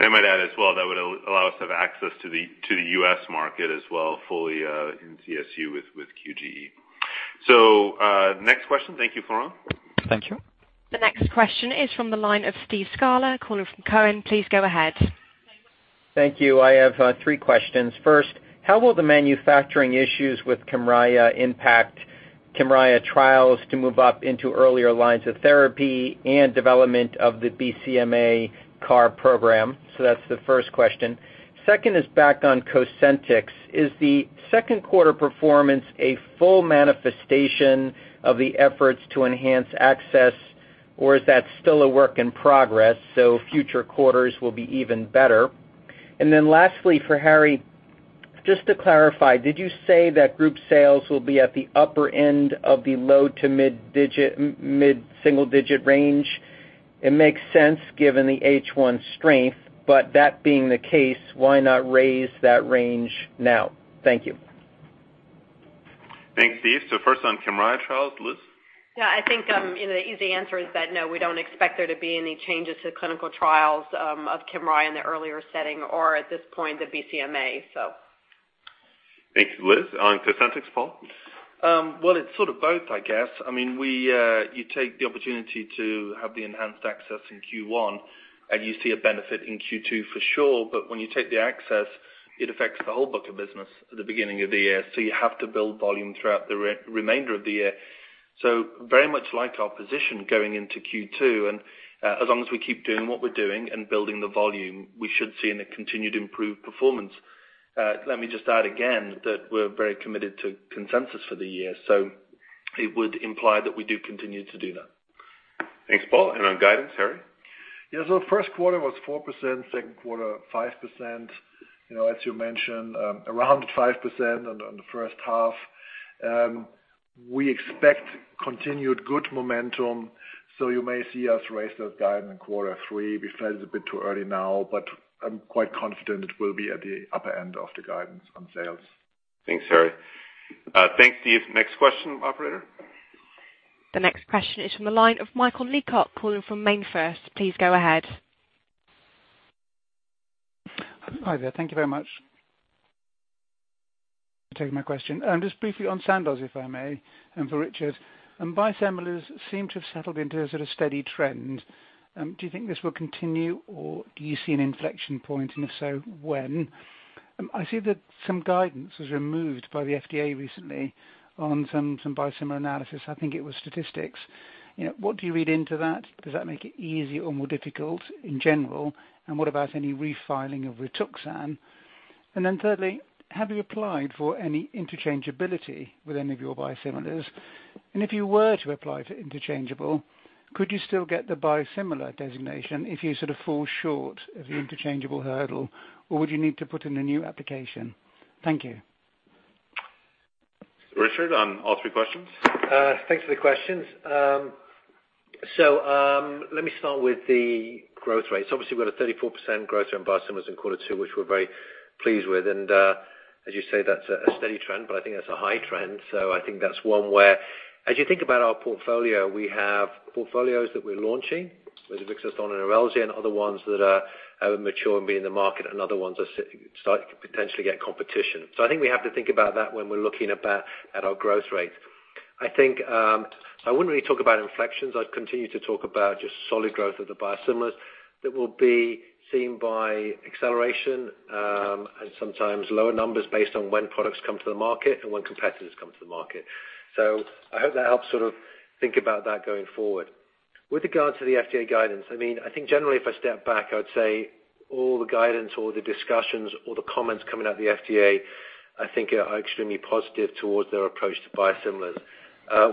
I might add as well, that would allow us to have access to the U.S. market as well, fully in CSU with QGE. Next question. Thank you, Florent. Thank you. The next question is from the line of Steve Scala, calling from Cowen. Please go ahead. Thank you. I have three questions. First, how will the manufacturing issues with Kymriah impact Kymriah trials to move up into earlier lines of therapy and development of the BCMA CAR program? That's the first question. Second is back on Cosentyx. Is the second quarter performance a full manifestation of the efforts to enhance access, or is that still a work in progress, so future quarters will be even better? Lastly, for Harry, just to clarify, did you say that group sales will be at the upper end of the low to mid-single digit range? It makes sense given the H1 strength, but that being the case, why not raise that range now? Thank you. Thanks, Steve. First on Kymriah trials, Liz? I think, the easy answer is that no, we don't expect there to be any changes to clinical trials of Kymriah in the earlier setting or at this point, the BCMA. Thank you, Liz. On Cosentyx, Paul? It's sort of both, I guess. You take the opportunity to have the enhanced access in Q1, you see a benefit in Q2 for sure, when you take the access, it affects the whole book of business at the beginning of the year, you have to build volume throughout the remainder of the year. Very much like our position going into Q2, as long as we keep doing what we're doing and building the volume, we should see a continued improved performance. Let me just add again that we're very committed to consensus for the year, it would imply that we do continue to do that. Thanks, Paul. On guidance, Harry? The first quarter was 4%, second quarter 5%. As you mentioned, around 5% on the first half. We expect continued good momentum. You may see us raise those guidance in quarter three. We feel it's a bit too early now. I'm quite confident it will be at the upper end of the guidance on sales. Thanks, Harry. Thanks, Steve. Next question, operator. The next question is from the line of Michael Leuchten calling from MainFirst. Please go ahead. Hi there. Thank you very much for taking my question. Just briefly on Sandoz, if I may, and for Richard. Biosimilars seem to have settled into a sort of steady trend. Do you think this will continue, or do you see an inflection point? If so, when? I see that some guidance was removed by the FDA recently on some biosimilar analysis. I think it was statistics. What do you read into that? Does that make it easier or more difficult in general? What about any refiling of Rituxan? Then thirdly, have you applied for any interchangeability with any of your biosimilars? If you were to apply for interchangeable, could you still get the biosimilar designation if you sort of fall short of the interchangeable hurdle, or would you need to put in a new application? Thank you. Richard, on all three questions. Thanks for the questions. Let me start with the growth rates. Obviously, we've got a 34% growth rate in biosimilars in quarter two, which we're very pleased with. As you say, that's a steady trend, but I think that's a high trend. I think that's one where, as you think about our portfolio, we have portfolios that we're launching, whether Rixathon on Erelzi and other ones that are mature and be in the market, and other ones are starting to potentially get competition. I think we have to think about that when we're looking at our growth rates. I wouldn't really talk about inflections. I'd continue to talk about just solid growth of the biosimilars that will be seen by acceleration, and sometimes lower numbers based on when products come to the market and when competitors come to the market. I hope that helps sort of think about that going forward. With regards to the FDA guidance, I think generally if I step back, I would say all the guidance, all the discussions, all the comments coming out of the FDA, I think are extremely positive towards their approach to biosimilars.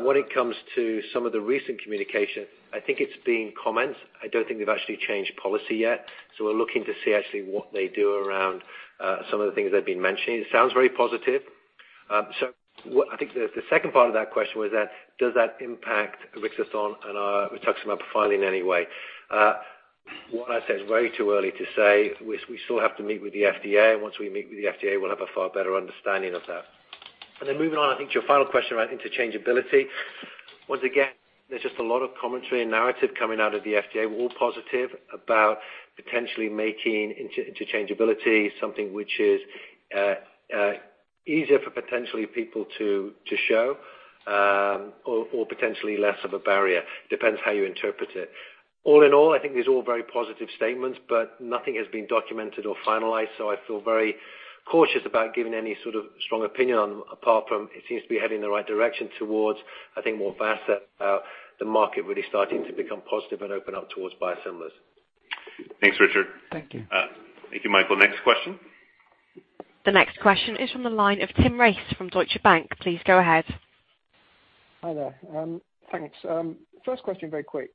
When it comes to some of the recent communication, I think it's been comments. I don't think they've actually changed policy yet. We're looking to see actually what they do around some of the things they've been mentioning. It sounds very positive. I think the second part of that question was that does that impact Rixathon and our rituximab profiling in any way? What I'd say, it's way too early to say. We still have to meet with the FDA. Once we meet with the FDA, we'll have a far better understanding of that. Then moving on, I think to your final question around interchangeability. Once again, there's just a lot of commentary and narrative coming out of the FDA, all positive, about potentially making interchangeability something which is easier for potentially people to show, or potentially less of a barrier, depends how you interpret it. All in all, I think these are all very positive statements, but nothing has been documented or finalized. I feel very cautious about giving any sort of strong opinion on, apart from it seems to be heading in the right direction towards, I think, more vast than the market really starting to become positive and open up towards biosimilars. Thanks, Richard. Thank you. Thank you, Michael. Next question. The next question is from the line of Tim Race from Deutsche Bank. Please go ahead. Hi there. Thanks. First question, very quick.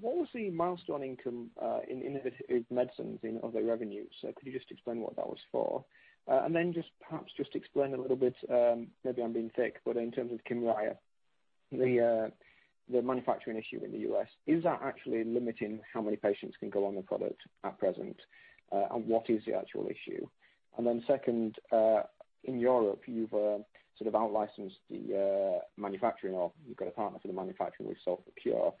What was the milestone income in Innovative Medicines in other revenues? Could you just explain what that was for? Perhaps just explain a little bit, maybe I'm being thick, but in terms of Kymriah, the manufacturing issue in the U.S. Is that actually limiting how many patients can go on the product at present? What is the actual issue? Second, in Europe, you've sort of out-licensed the manufacturing or you've got a partner for the manufacturing with CellforCure.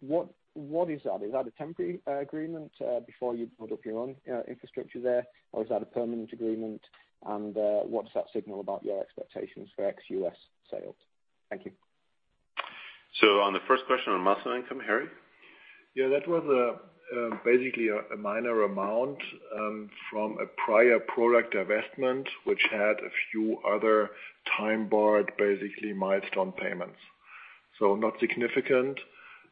What is that? Is that a temporary agreement before you build up your own infrastructure there, or is that a permanent agreement? What's that signal about your expectations for ex-U.S. sales? Thank you. On the first question on milestone income, Harry? That was basically a minor amount from a prior product divestment, which had a few other time-barred, basically milestone payments. Not significant,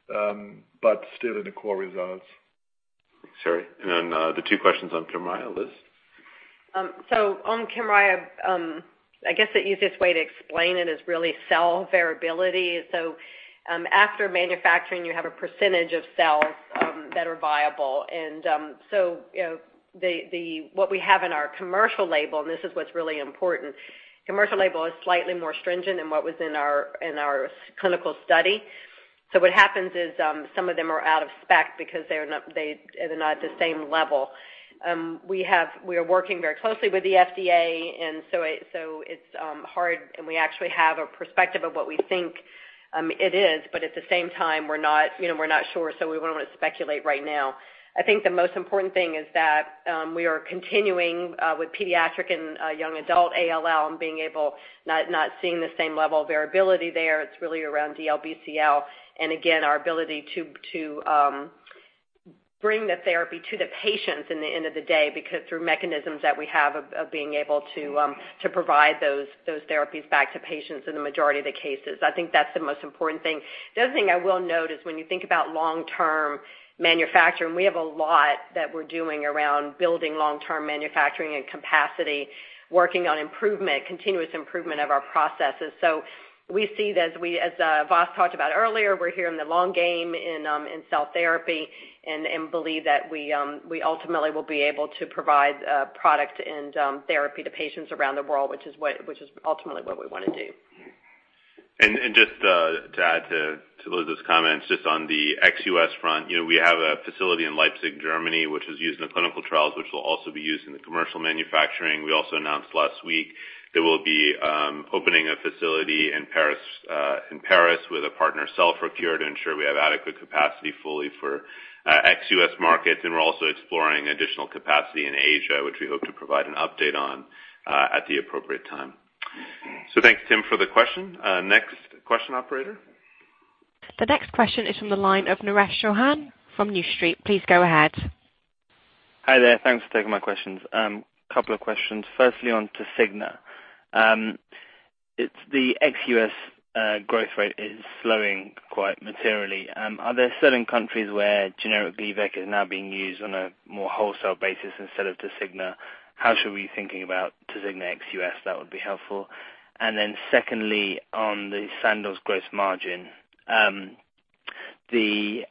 but still in the core results. Sorry. The two questions on Kymriah, Liz? On Kymriah, I guess the easiest way to explain it is really cell variability. After manufacturing, you have a percentage of cells that are viable, and so what we have in our commercial label, and this is what's really important, commercial label is slightly more stringent than what was in our clinical study. What happens is some of them are out of spec because they're not at the same level. We are working very closely with the FDA, and so it's hard, and we actually have a perspective of what we think it is. At the same time, we're not sure, so we wouldn't want to speculate right now. I think the most important thing is that we are continuing with pediatric and young adult ALL and being able, not seeing the same level of variability there. It's really around DLBCL, and again, our ability to bring the therapy to the patients in the end of the day through mechanisms that we have of being able to provide those therapies back to patients in the majority of the cases. I think that's the most important thing. The other thing I will note is when you think about long-term manufacturing, we have a lot that we're doing around building long-term manufacturing and capacity, working on improvement, continuous improvement of our processes. We see it as Vas talked about earlier, we're here in the long game in cell therapy and believe that we ultimately will be able to provide product and therapy to patients around the world, which is ultimately what we wanna do. Just to add to Liz's comments, just on the ex-U.S. front, we have a facility in Leipzig, Germany, which is used in the clinical trials, which will also be used in the commercial manufacturing. We also announced last week it will be opening a facility in Paris with a partner, CellforCure, to ensure we have adequate capacity fully for ex-U.S. markets. We're also exploring additional capacity in Asia, which we hope to provide an update on at the appropriate time. Thanks, Tim, for the question. Next question, operator. The next question is from the line of Naresh Chouhan from New Street. Please go ahead. Hi there. Thanks for taking my questions. Couple of questions. Firstly, on Tasigna. The ex-U.S. growth rate is slowing quite materially. Are there certain countries where generic Gleevec is now being used on a more wholesale basis instead of Tasigna? How should we be thinking about Tasigna ex-U.S.? That would be helpful. Secondly, on the Sandoz gross margin. The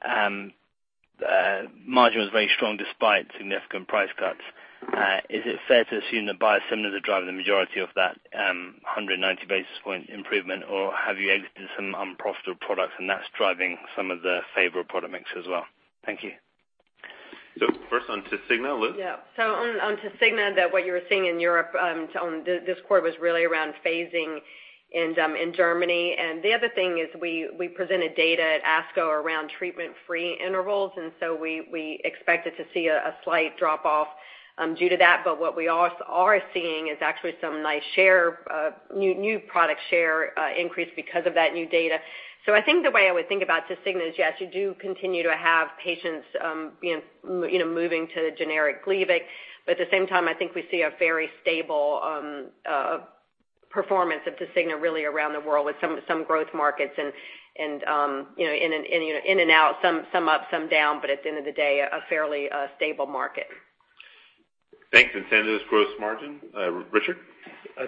margin was very strong despite significant price cuts. Is it fair to assume that biosimilars are driving the majority of that 190 basis point improvement, or have you exited some unprofitable products and that's driving some of the favorable product mix as well? Thank you. First on Tasigna, Liz? Yeah. On Tasigna, that what you were seeing in Europe this quarter was really around phasing in Germany. The other thing is we presented data at ASCO around treatment-free intervals, we expected to see a slight drop-off due to that. What we are seeing is actually some nice new product share increase because of that new data. I think the way I would think about Tasigna is, yes, you do continue to have patients moving to generic Gleevec. At the same time, I think we see a very stable performance of Tasigna really around the world with some growth markets and in and out, some up, some down, but at the end of the day, a fairly stable market. Thanks. Sandoz gross margin, Richard?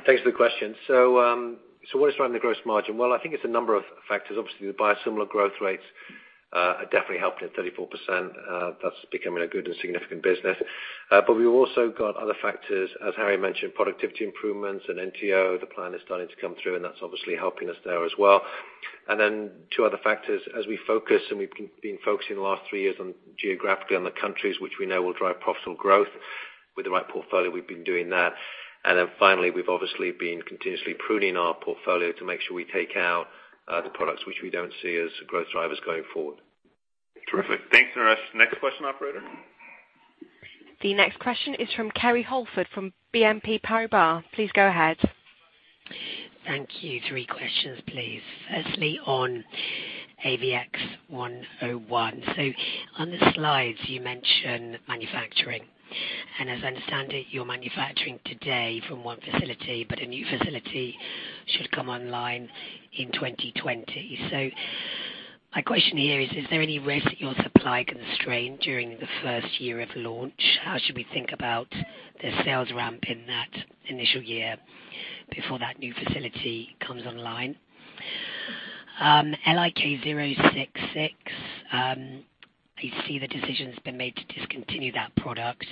Thanks for the question. What is driving the gross margin? I think it's a number of factors. Obviously, the biosimilar growth rates are definitely helping at 34%. That's becoming a good and significant business. We've also got other factors, as Harry mentioned, productivity improvements and NTO. The plan is starting to come through, and that's obviously helping us there as well. Two other factors, as we focus and we've been focusing the last three years geographically on the countries which we know will drive profitable growth with the right portfolio, we've been doing that. Finally, we've obviously been continuously pruning our portfolio to make sure we take out the products which we don't see as growth drivers going forward. Terrific. Thanks, Naresh. Next question, operator. The next question is from Kerry Holford from BNP Paribas. Please go ahead. Thank you. Three questions, please. Firstly, on AVXS-101. On the slides, you mention manufacturing, and as I understand it, you're manufacturing today from one facility, but a new facility should come online in 2020. My question here is there any risk that your supply constrained during the first year of launch? How should we think about the sales ramp in that initial year before that new facility comes online? LIK066, I see the decision's been made to discontinue that product.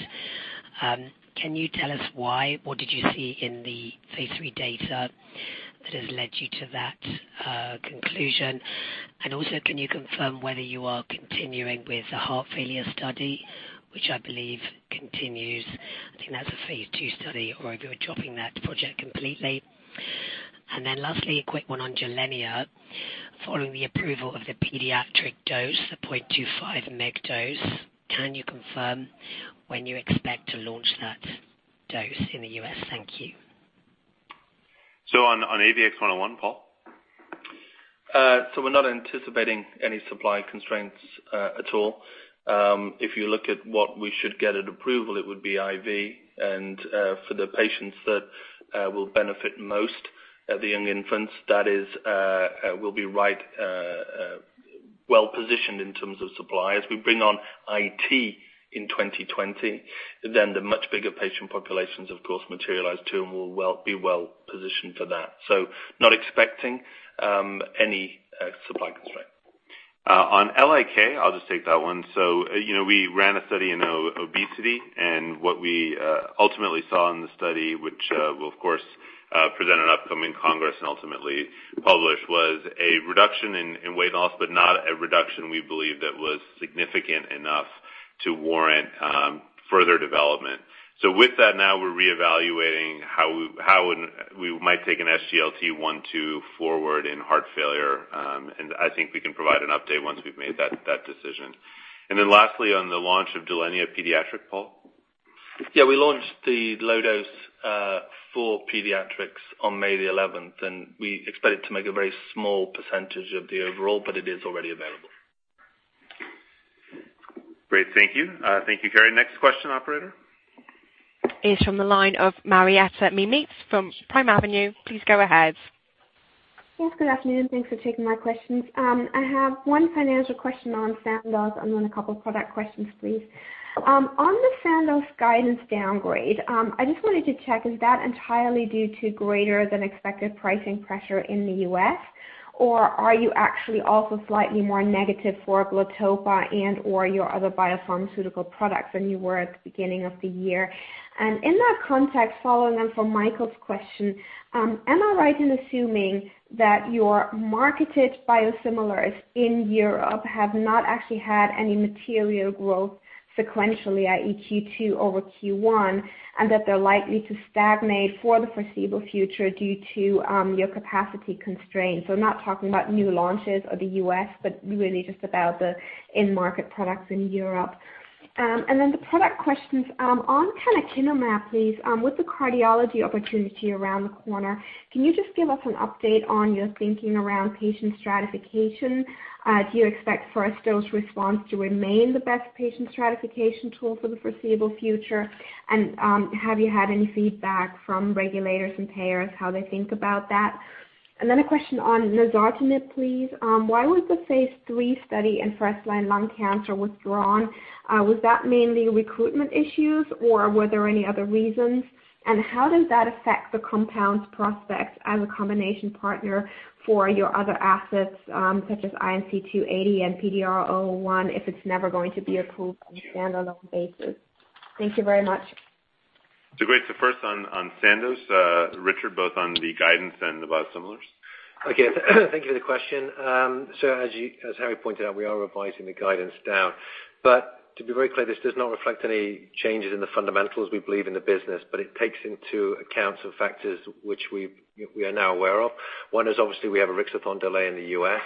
Can you tell us why? What did you see in the phase III data that has led to that conclusion? Also, can you confirm whether you are continuing with the heart failure study, which I believe continues? I think that's a phase II study. Or if you are dropping that project completely. Lastly, a quick one on Gilenya. Following the approval of the pediatric dose, the 0.25 mg dose, can you confirm when you expect to launch that dose in the U.S.? Thank you. On AVXS-101, Paul? We're not anticipating any supply constraints at all. If you look at what we should get at approval, it would be IV and for the patients that will benefit most, the young infants, that is will be well-positioned in terms of supply. As we bring on intrathecal in 2020, then the much bigger patient populations, of course, materialize too, and we'll be well-positioned for that. Not expecting any supply constraint. On LIK, I'll just take that one. We ran a study in obesity, and what we ultimately saw in the study, which we'll of course present at an upcoming congress and ultimately publish, was a reduction in weight loss, but not a reduction we believe that was significant enough to warrant further development. With that now, we're reevaluating how we might take an SGLT1/2 forward in heart failure. I think we can provide an update once we've made that decision. Then lastly, on the launch of Gilenya pediatric, Paul. Yeah, we launched the low dose for pediatrics on May the 11th. We expect it to make a very small percentage of the overall. It is already available. Great. Thank you. Thank you, Kerry. Next question, operator. The next question is from the line of Marietta Miemietz from Primavenue. Please go ahead. Yes, good afternoon. Thanks for taking my questions. I have one financial question on Sandoz and then a couple product questions, please. On the Sandoz guidance downgrade, I just wanted to check, is that entirely due to greater than expected pricing pressure in the U.S., or are you actually also slightly more negative for Glatopa and/or your other biopharmaceutical products than you were at the beginning of the year? In that context, following on from Michael's question, am I right in assuming that your marketed biosimilars in Europe have not actually had any material growth sequentially, i.e., Q2 over Q1? That they're likely to stagnate for the foreseeable future due to your capacity constraints? I'm not talking about new launches or the U.S., but really just about the end market products in Europe. The product questions. On canakinumab, please, with the cardiology opportunity around the corner, can you just give us an update on your thinking around patient stratification? Do you expect first dose response to remain the best patient stratification tool for the foreseeable future? Have you had any feedback from regulators and payers, how they think about that? A question on nazartinib, please. Why was the phase III study in first-line lung cancer withdrawn? Was that mainly recruitment issues, or were there any other reasons? How does that affect the compound's prospects as a combination partner for your other assets, such as capmatinib and PDR001, if it's never going to be approved on a standalone basis? Thank you very much. Great. First on Sandoz. Richard, both on the guidance and the biosimilars. Okay. Thank you for the question. As Harry pointed out, we are revising the guidance down. To be very clear, this does not reflect any changes in the fundamentals we believe in the business, but it takes into account some factors which we are now aware of. One is obviously we have a Rixathon delay in the U.S.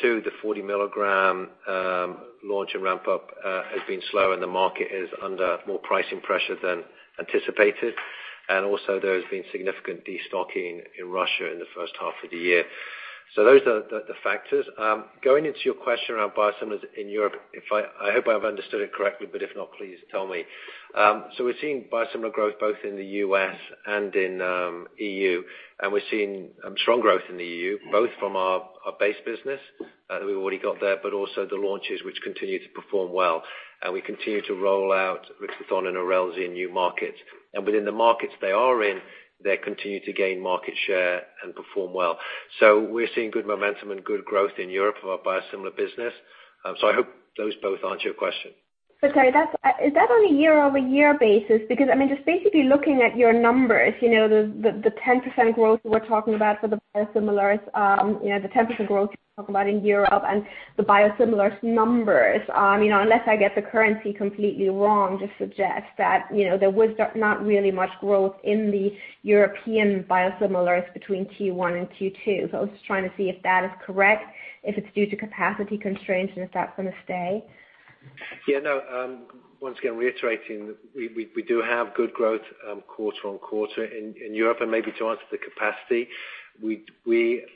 Two, the 40 mg launch and ramp-up has been slow, and the market is under more pricing pressure than anticipated. Also, there has been significant de-stocking in Russia in the first half of the year. Those are the factors. Going into your question around biosimilars in Europe, I hope I've understood it correctly, but if not, please tell me. We're seeing biosimilar growth both in the U.S. and in EU. We're seeing strong growth in the EU, both from our base business that we've already got there, but also the launches, which continue to perform well. We continue to roll out Rixathon and Erelzi in new markets. Within the markets they are in, they continue to gain market share and perform well. We're seeing good momentum and good growth in Europe for our biosimilar business. I hope those both answer your question. Is that on a year-over-year basis? Because just basically looking at your numbers, the 10% growth we're talking about for the biosimilars, the 10% growth you talk about in Europe and the biosimilars numbers, unless I get the currency completely wrong, just suggests that there was not really much growth in the European biosimilars between Q1 and Q2. I was just trying to see if that is correct, if it's due to capacity constraints, and if that's going to stay. Yeah, no. Once again, reiterating, we do have good growth quarter-on-quarter in Europe. Maybe to answer the capacity,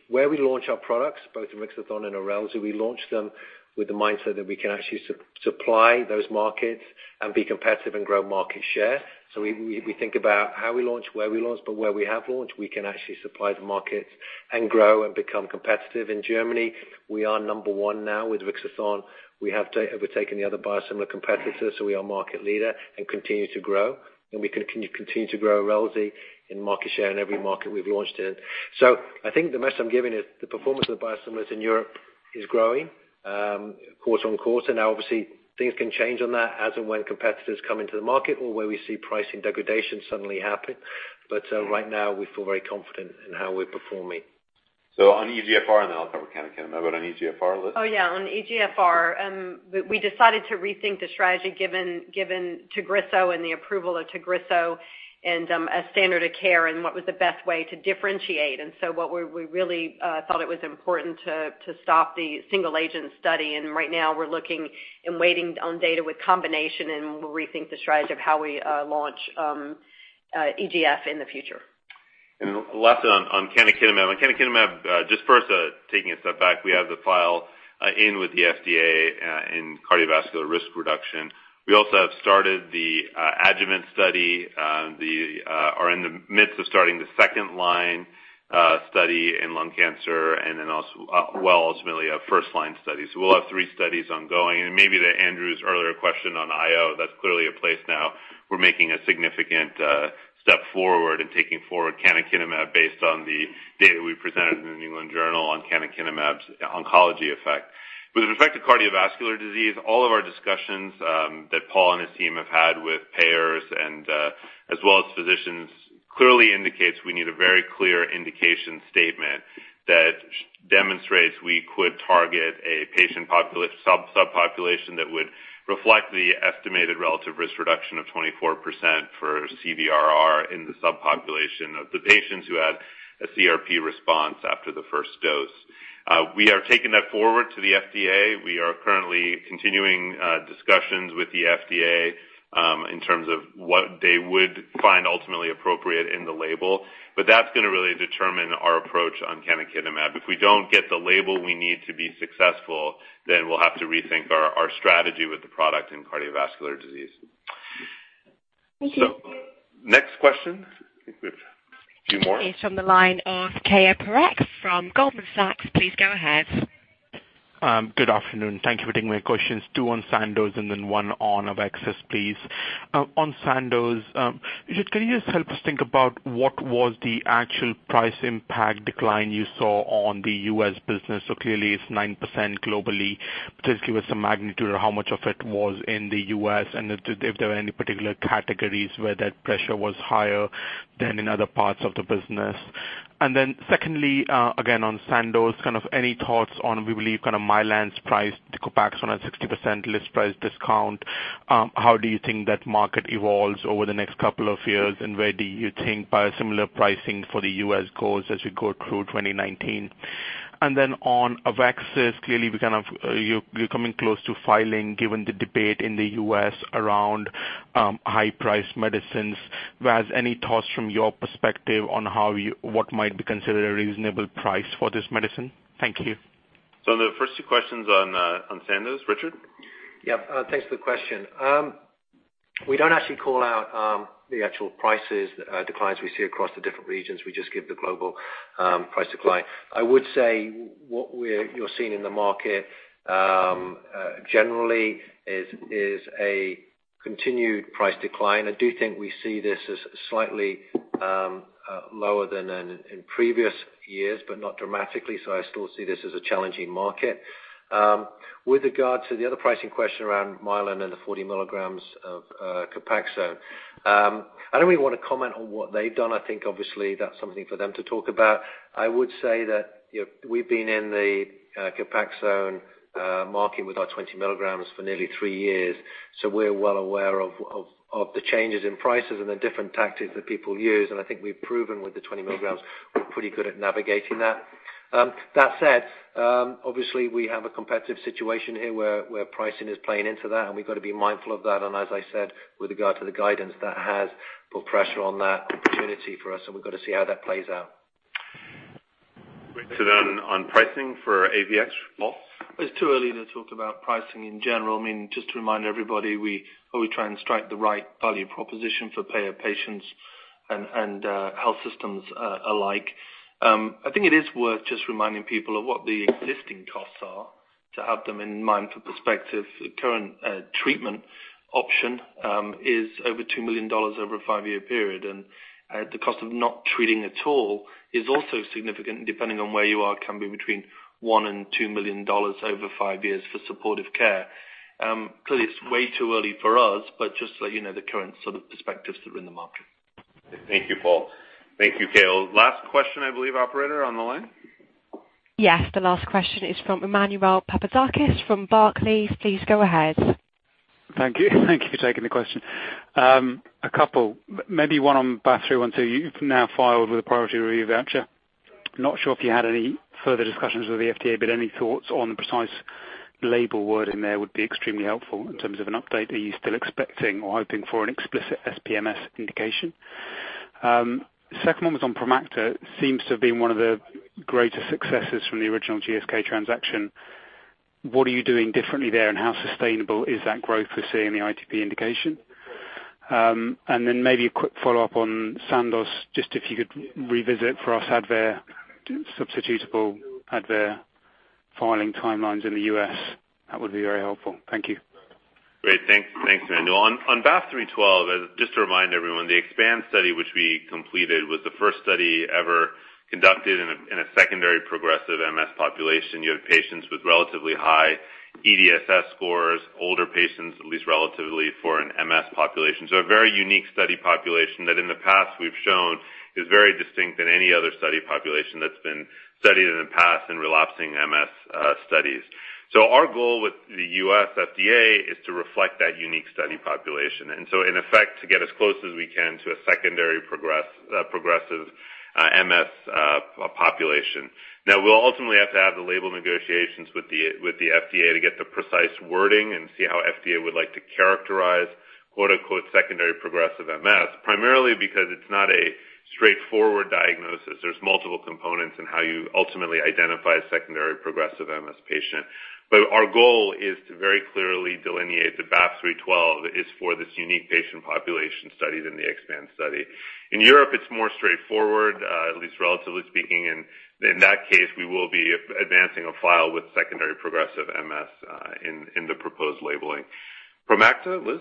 where we launch our products, both Rixathon and Erelzi, we launch them with the mindset that we can actually supply those markets and be competitive and grow market share. We think about how we launch, where we launch, where we have launched, we can actually supply the markets and grow and become competitive. In Germany, we are number one now with Rixathon. We have overtaken the other biosimilar competitor, we are market leader and continue to grow. We continue to grow Erelzi in market share in every market we've launched in. I think the message I'm giving is the performance of the biosimilars in Europe is growing quarter-on-quarter. Now obviously things can change on that as and when competitors come into the market or where we see pricing degradation suddenly happen. Right now we feel very confident in how we're performing. On EGFR, then I'll cover canakinumab, on EGFR, Liz? Oh, yeah. On EGFR, we decided to rethink the strategy given TAGRISSO and the approval of TAGRISSO and a standard of care and what was the best way to differentiate. What we really thought it was important to stop the single agent study. Right now we're looking and waiting on data with combination, and we'll rethink the strategy of how we launch EGFR in the future. Lastly on canakinumab. On canakinumab, just first taking a step back, we have the file in with the FDA in cardiovascular risk reduction. We also have started the adjuvant study, are in the midst of starting the second line study in lung cancer, and then also, well, ultimately, a first line study. We'll have three studies ongoing. Maybe to Andrew's earlier question on IO, that's clearly a place now we're making a significant step forward in taking forward canakinumab based on the data we presented in the New England Journal on canakinumab's oncology effect. With respect to cardiovascular disease, all of our discussions that Paul and his team have had with payers and as well as physicians clearly indicates we need a very clear indication statement that demonstrates we could target a patient subpopulation that would reflect the estimated relative risk reduction of 24% for CVRR in the subpopulation of the patients who had a CRP response after the first dose. We are taking that forward to the FDA. We are currently continuing discussions with the FDA in terms of what they would find ultimately appropriate in the label. That's going to really determine our approach on canakinumab. If we don't get the label we need to be successful, we'll have to rethink our strategy with the product in cardiovascular disease. Thank you. Next question. I think we have a few more. Is from the line of Keyur Parekh from Goldman Sachs. Please go ahead. Good afternoon. Thank you for taking my questions. Two on Sandoz and then one on AveXis, please. On Sandoz, Richard, can you just help us think about what was the actual price impact decline you saw on the U.S. business? Clearly it's 9% globally, but just give us some magnitude of how much of it was in the U.S. and if there were any particular categories where that pressure was higher than in other parts of the business. Secondly, again on Sandoz, any thoughts on, we believe, Mylan's price to Copaxone at 60% list price discount? How do you think that market evolves over the next couple of years, and where do you think biosimilar pricing for the U.S. goes as we go through 2019? On AveXis, clearly you're coming close to filing given the debate in the U.S. around high-priced medicines. Vas, any thoughts from your perspective on what might be considered a reasonable price for this medicine? Thank you. On the first two questions on Sandoz, Richard? Yeah. Thanks for the question. We don't actually call out the actual prices declines we see across the different regions. We just give the global price decline. I would say what you're seeing in the market generally is a continued price decline. I do think we see this as slightly lower than in previous years, but not dramatically, so I still see this as a challenging market. With regard to the other pricing question around Mylan and the 40 milligrams of Copaxone, I don't really want to comment on what they've done. I think obviously that's something for them to talk about. I would say that we've been in the Copaxone market with our 20 milligrams for nearly three years, so we're well aware of the changes in prices and the different tactics that people use. I think we've proven with the 20 milligrams we're pretty good at navigating that. That said, obviously we have a competitive situation here where pricing is playing into that, and we've got to be mindful of that. As I said, with regard to the guidance, that has put pressure on that opportunity for us, and we've got to see how that plays out. Great. On pricing for AVX, Paul? It's too early to talk about pricing in general. I mean, just to remind everybody, we always try and strike the right value proposition for payer patients and health systems alike. I think it is worth just reminding people of what the existing costs are to have them in mind for perspective. The current treatment option is over $2 million over a five-year period, and the cost of not treating at all is also significant, depending on where you are, can be between $1 million and $2 million over five years for supportive care. Clearly, it's way too early for us, but just so you know the current sort of perspectives that are in the market. Thank you, Paul. Thank you, Keyur. Last question, I believe, operator, on the line? Yes, the last question is from Emmanuel Papadakis from Barclays. Please go ahead. Thank you. Thank you for taking the question. A couple. Maybe one on BAF312. You've now filed with a priority review voucher. Not sure if you had any further discussions with the FDA. Any thoughts on the precise label word in there would be extremely helpful in terms of an update. Are you still expecting or hoping for an explicit SPMS indication? Second one was on Promacta. Seems to have been one of the greater successes from the original GSK transaction. What are you doing differently there, and how sustainable is that growth we're seeing in the ITP indication? Maybe a quick follow-up on Sandoz, just if you could revisit for us, substitutable ADVAIR filing timelines in the U.S. That would be very helpful. Thank you. Thanks, Emmanuel. On BAF312, just to remind everyone, the EXPAND study, which we completed, was the first study ever conducted in a secondary progressive MS population. You had patients with relatively high EDSS scores, older patients, at least relatively, for an MS population. A very unique study population that, in the past, we've shown is very distinct than any other study population that's been studied in the past in relapsing MS studies. Our goal with the U.S. FDA is to reflect that unique study population, in effect, to get as close as we can to a secondary progressive MS population. We'll ultimately have to have the label negotiations with the FDA to get the precise wording and see how FDA would like to characterize "secondary progressive MS," primarily because it's not a straightforward diagnosis. There's multiple components in how you ultimately identify a secondary progressive MS patient. Our goal is to very clearly delineate that BAF312 is for this unique patient population studied in the EXPAND study. In Europe, it's more straightforward, at least relatively speaking, in that case, we will be advancing a file with secondary progressive MS in the proposed labeling. Promacta, Liz?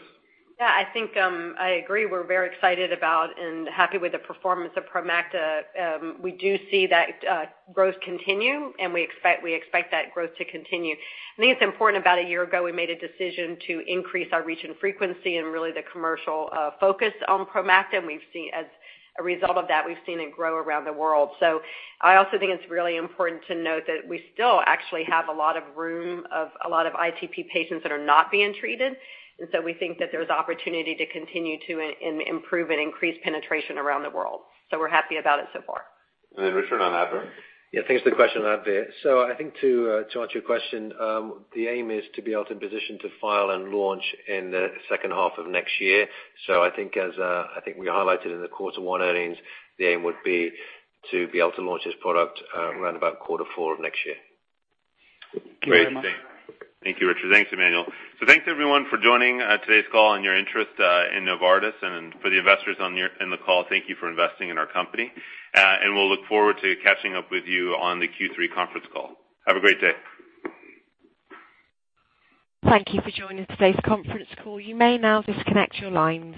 Yeah, I think I agree. We're very excited about and happy with the performance of Promacta. We do see that growth continue, we expect that growth to continue. I think it's important, about one year ago, we made a decision to increase our reach and frequency, really the commercial focus on Promacta, as a result of that, we've seen it grow around the world. I also think it's really important to note that we still actually have a lot of room of a lot of ITP patients that are not being treated. We think that there's opportunity to continue to improve and increase penetration around the world. We're happy about it so far. Richard on Advair. Thanks for the question on ADVAIR. I think to answer your question, the aim is to be able to position to file and launch in the second half of next year. I think we highlighted in the quarter one earnings, the aim would be to be able to launch this product around about quarter four of next year. Great. Thank you very much. Thank you, Richard. Thanks, Emmanuel. Thanks everyone for joining today's call and your interest in Novartis. For the investors in the call, thank you for investing in our company. We'll look forward to catching up with you on the Q3 conference call. Have a great day. Thank you for joining today's conference call. You may now disconnect your lines.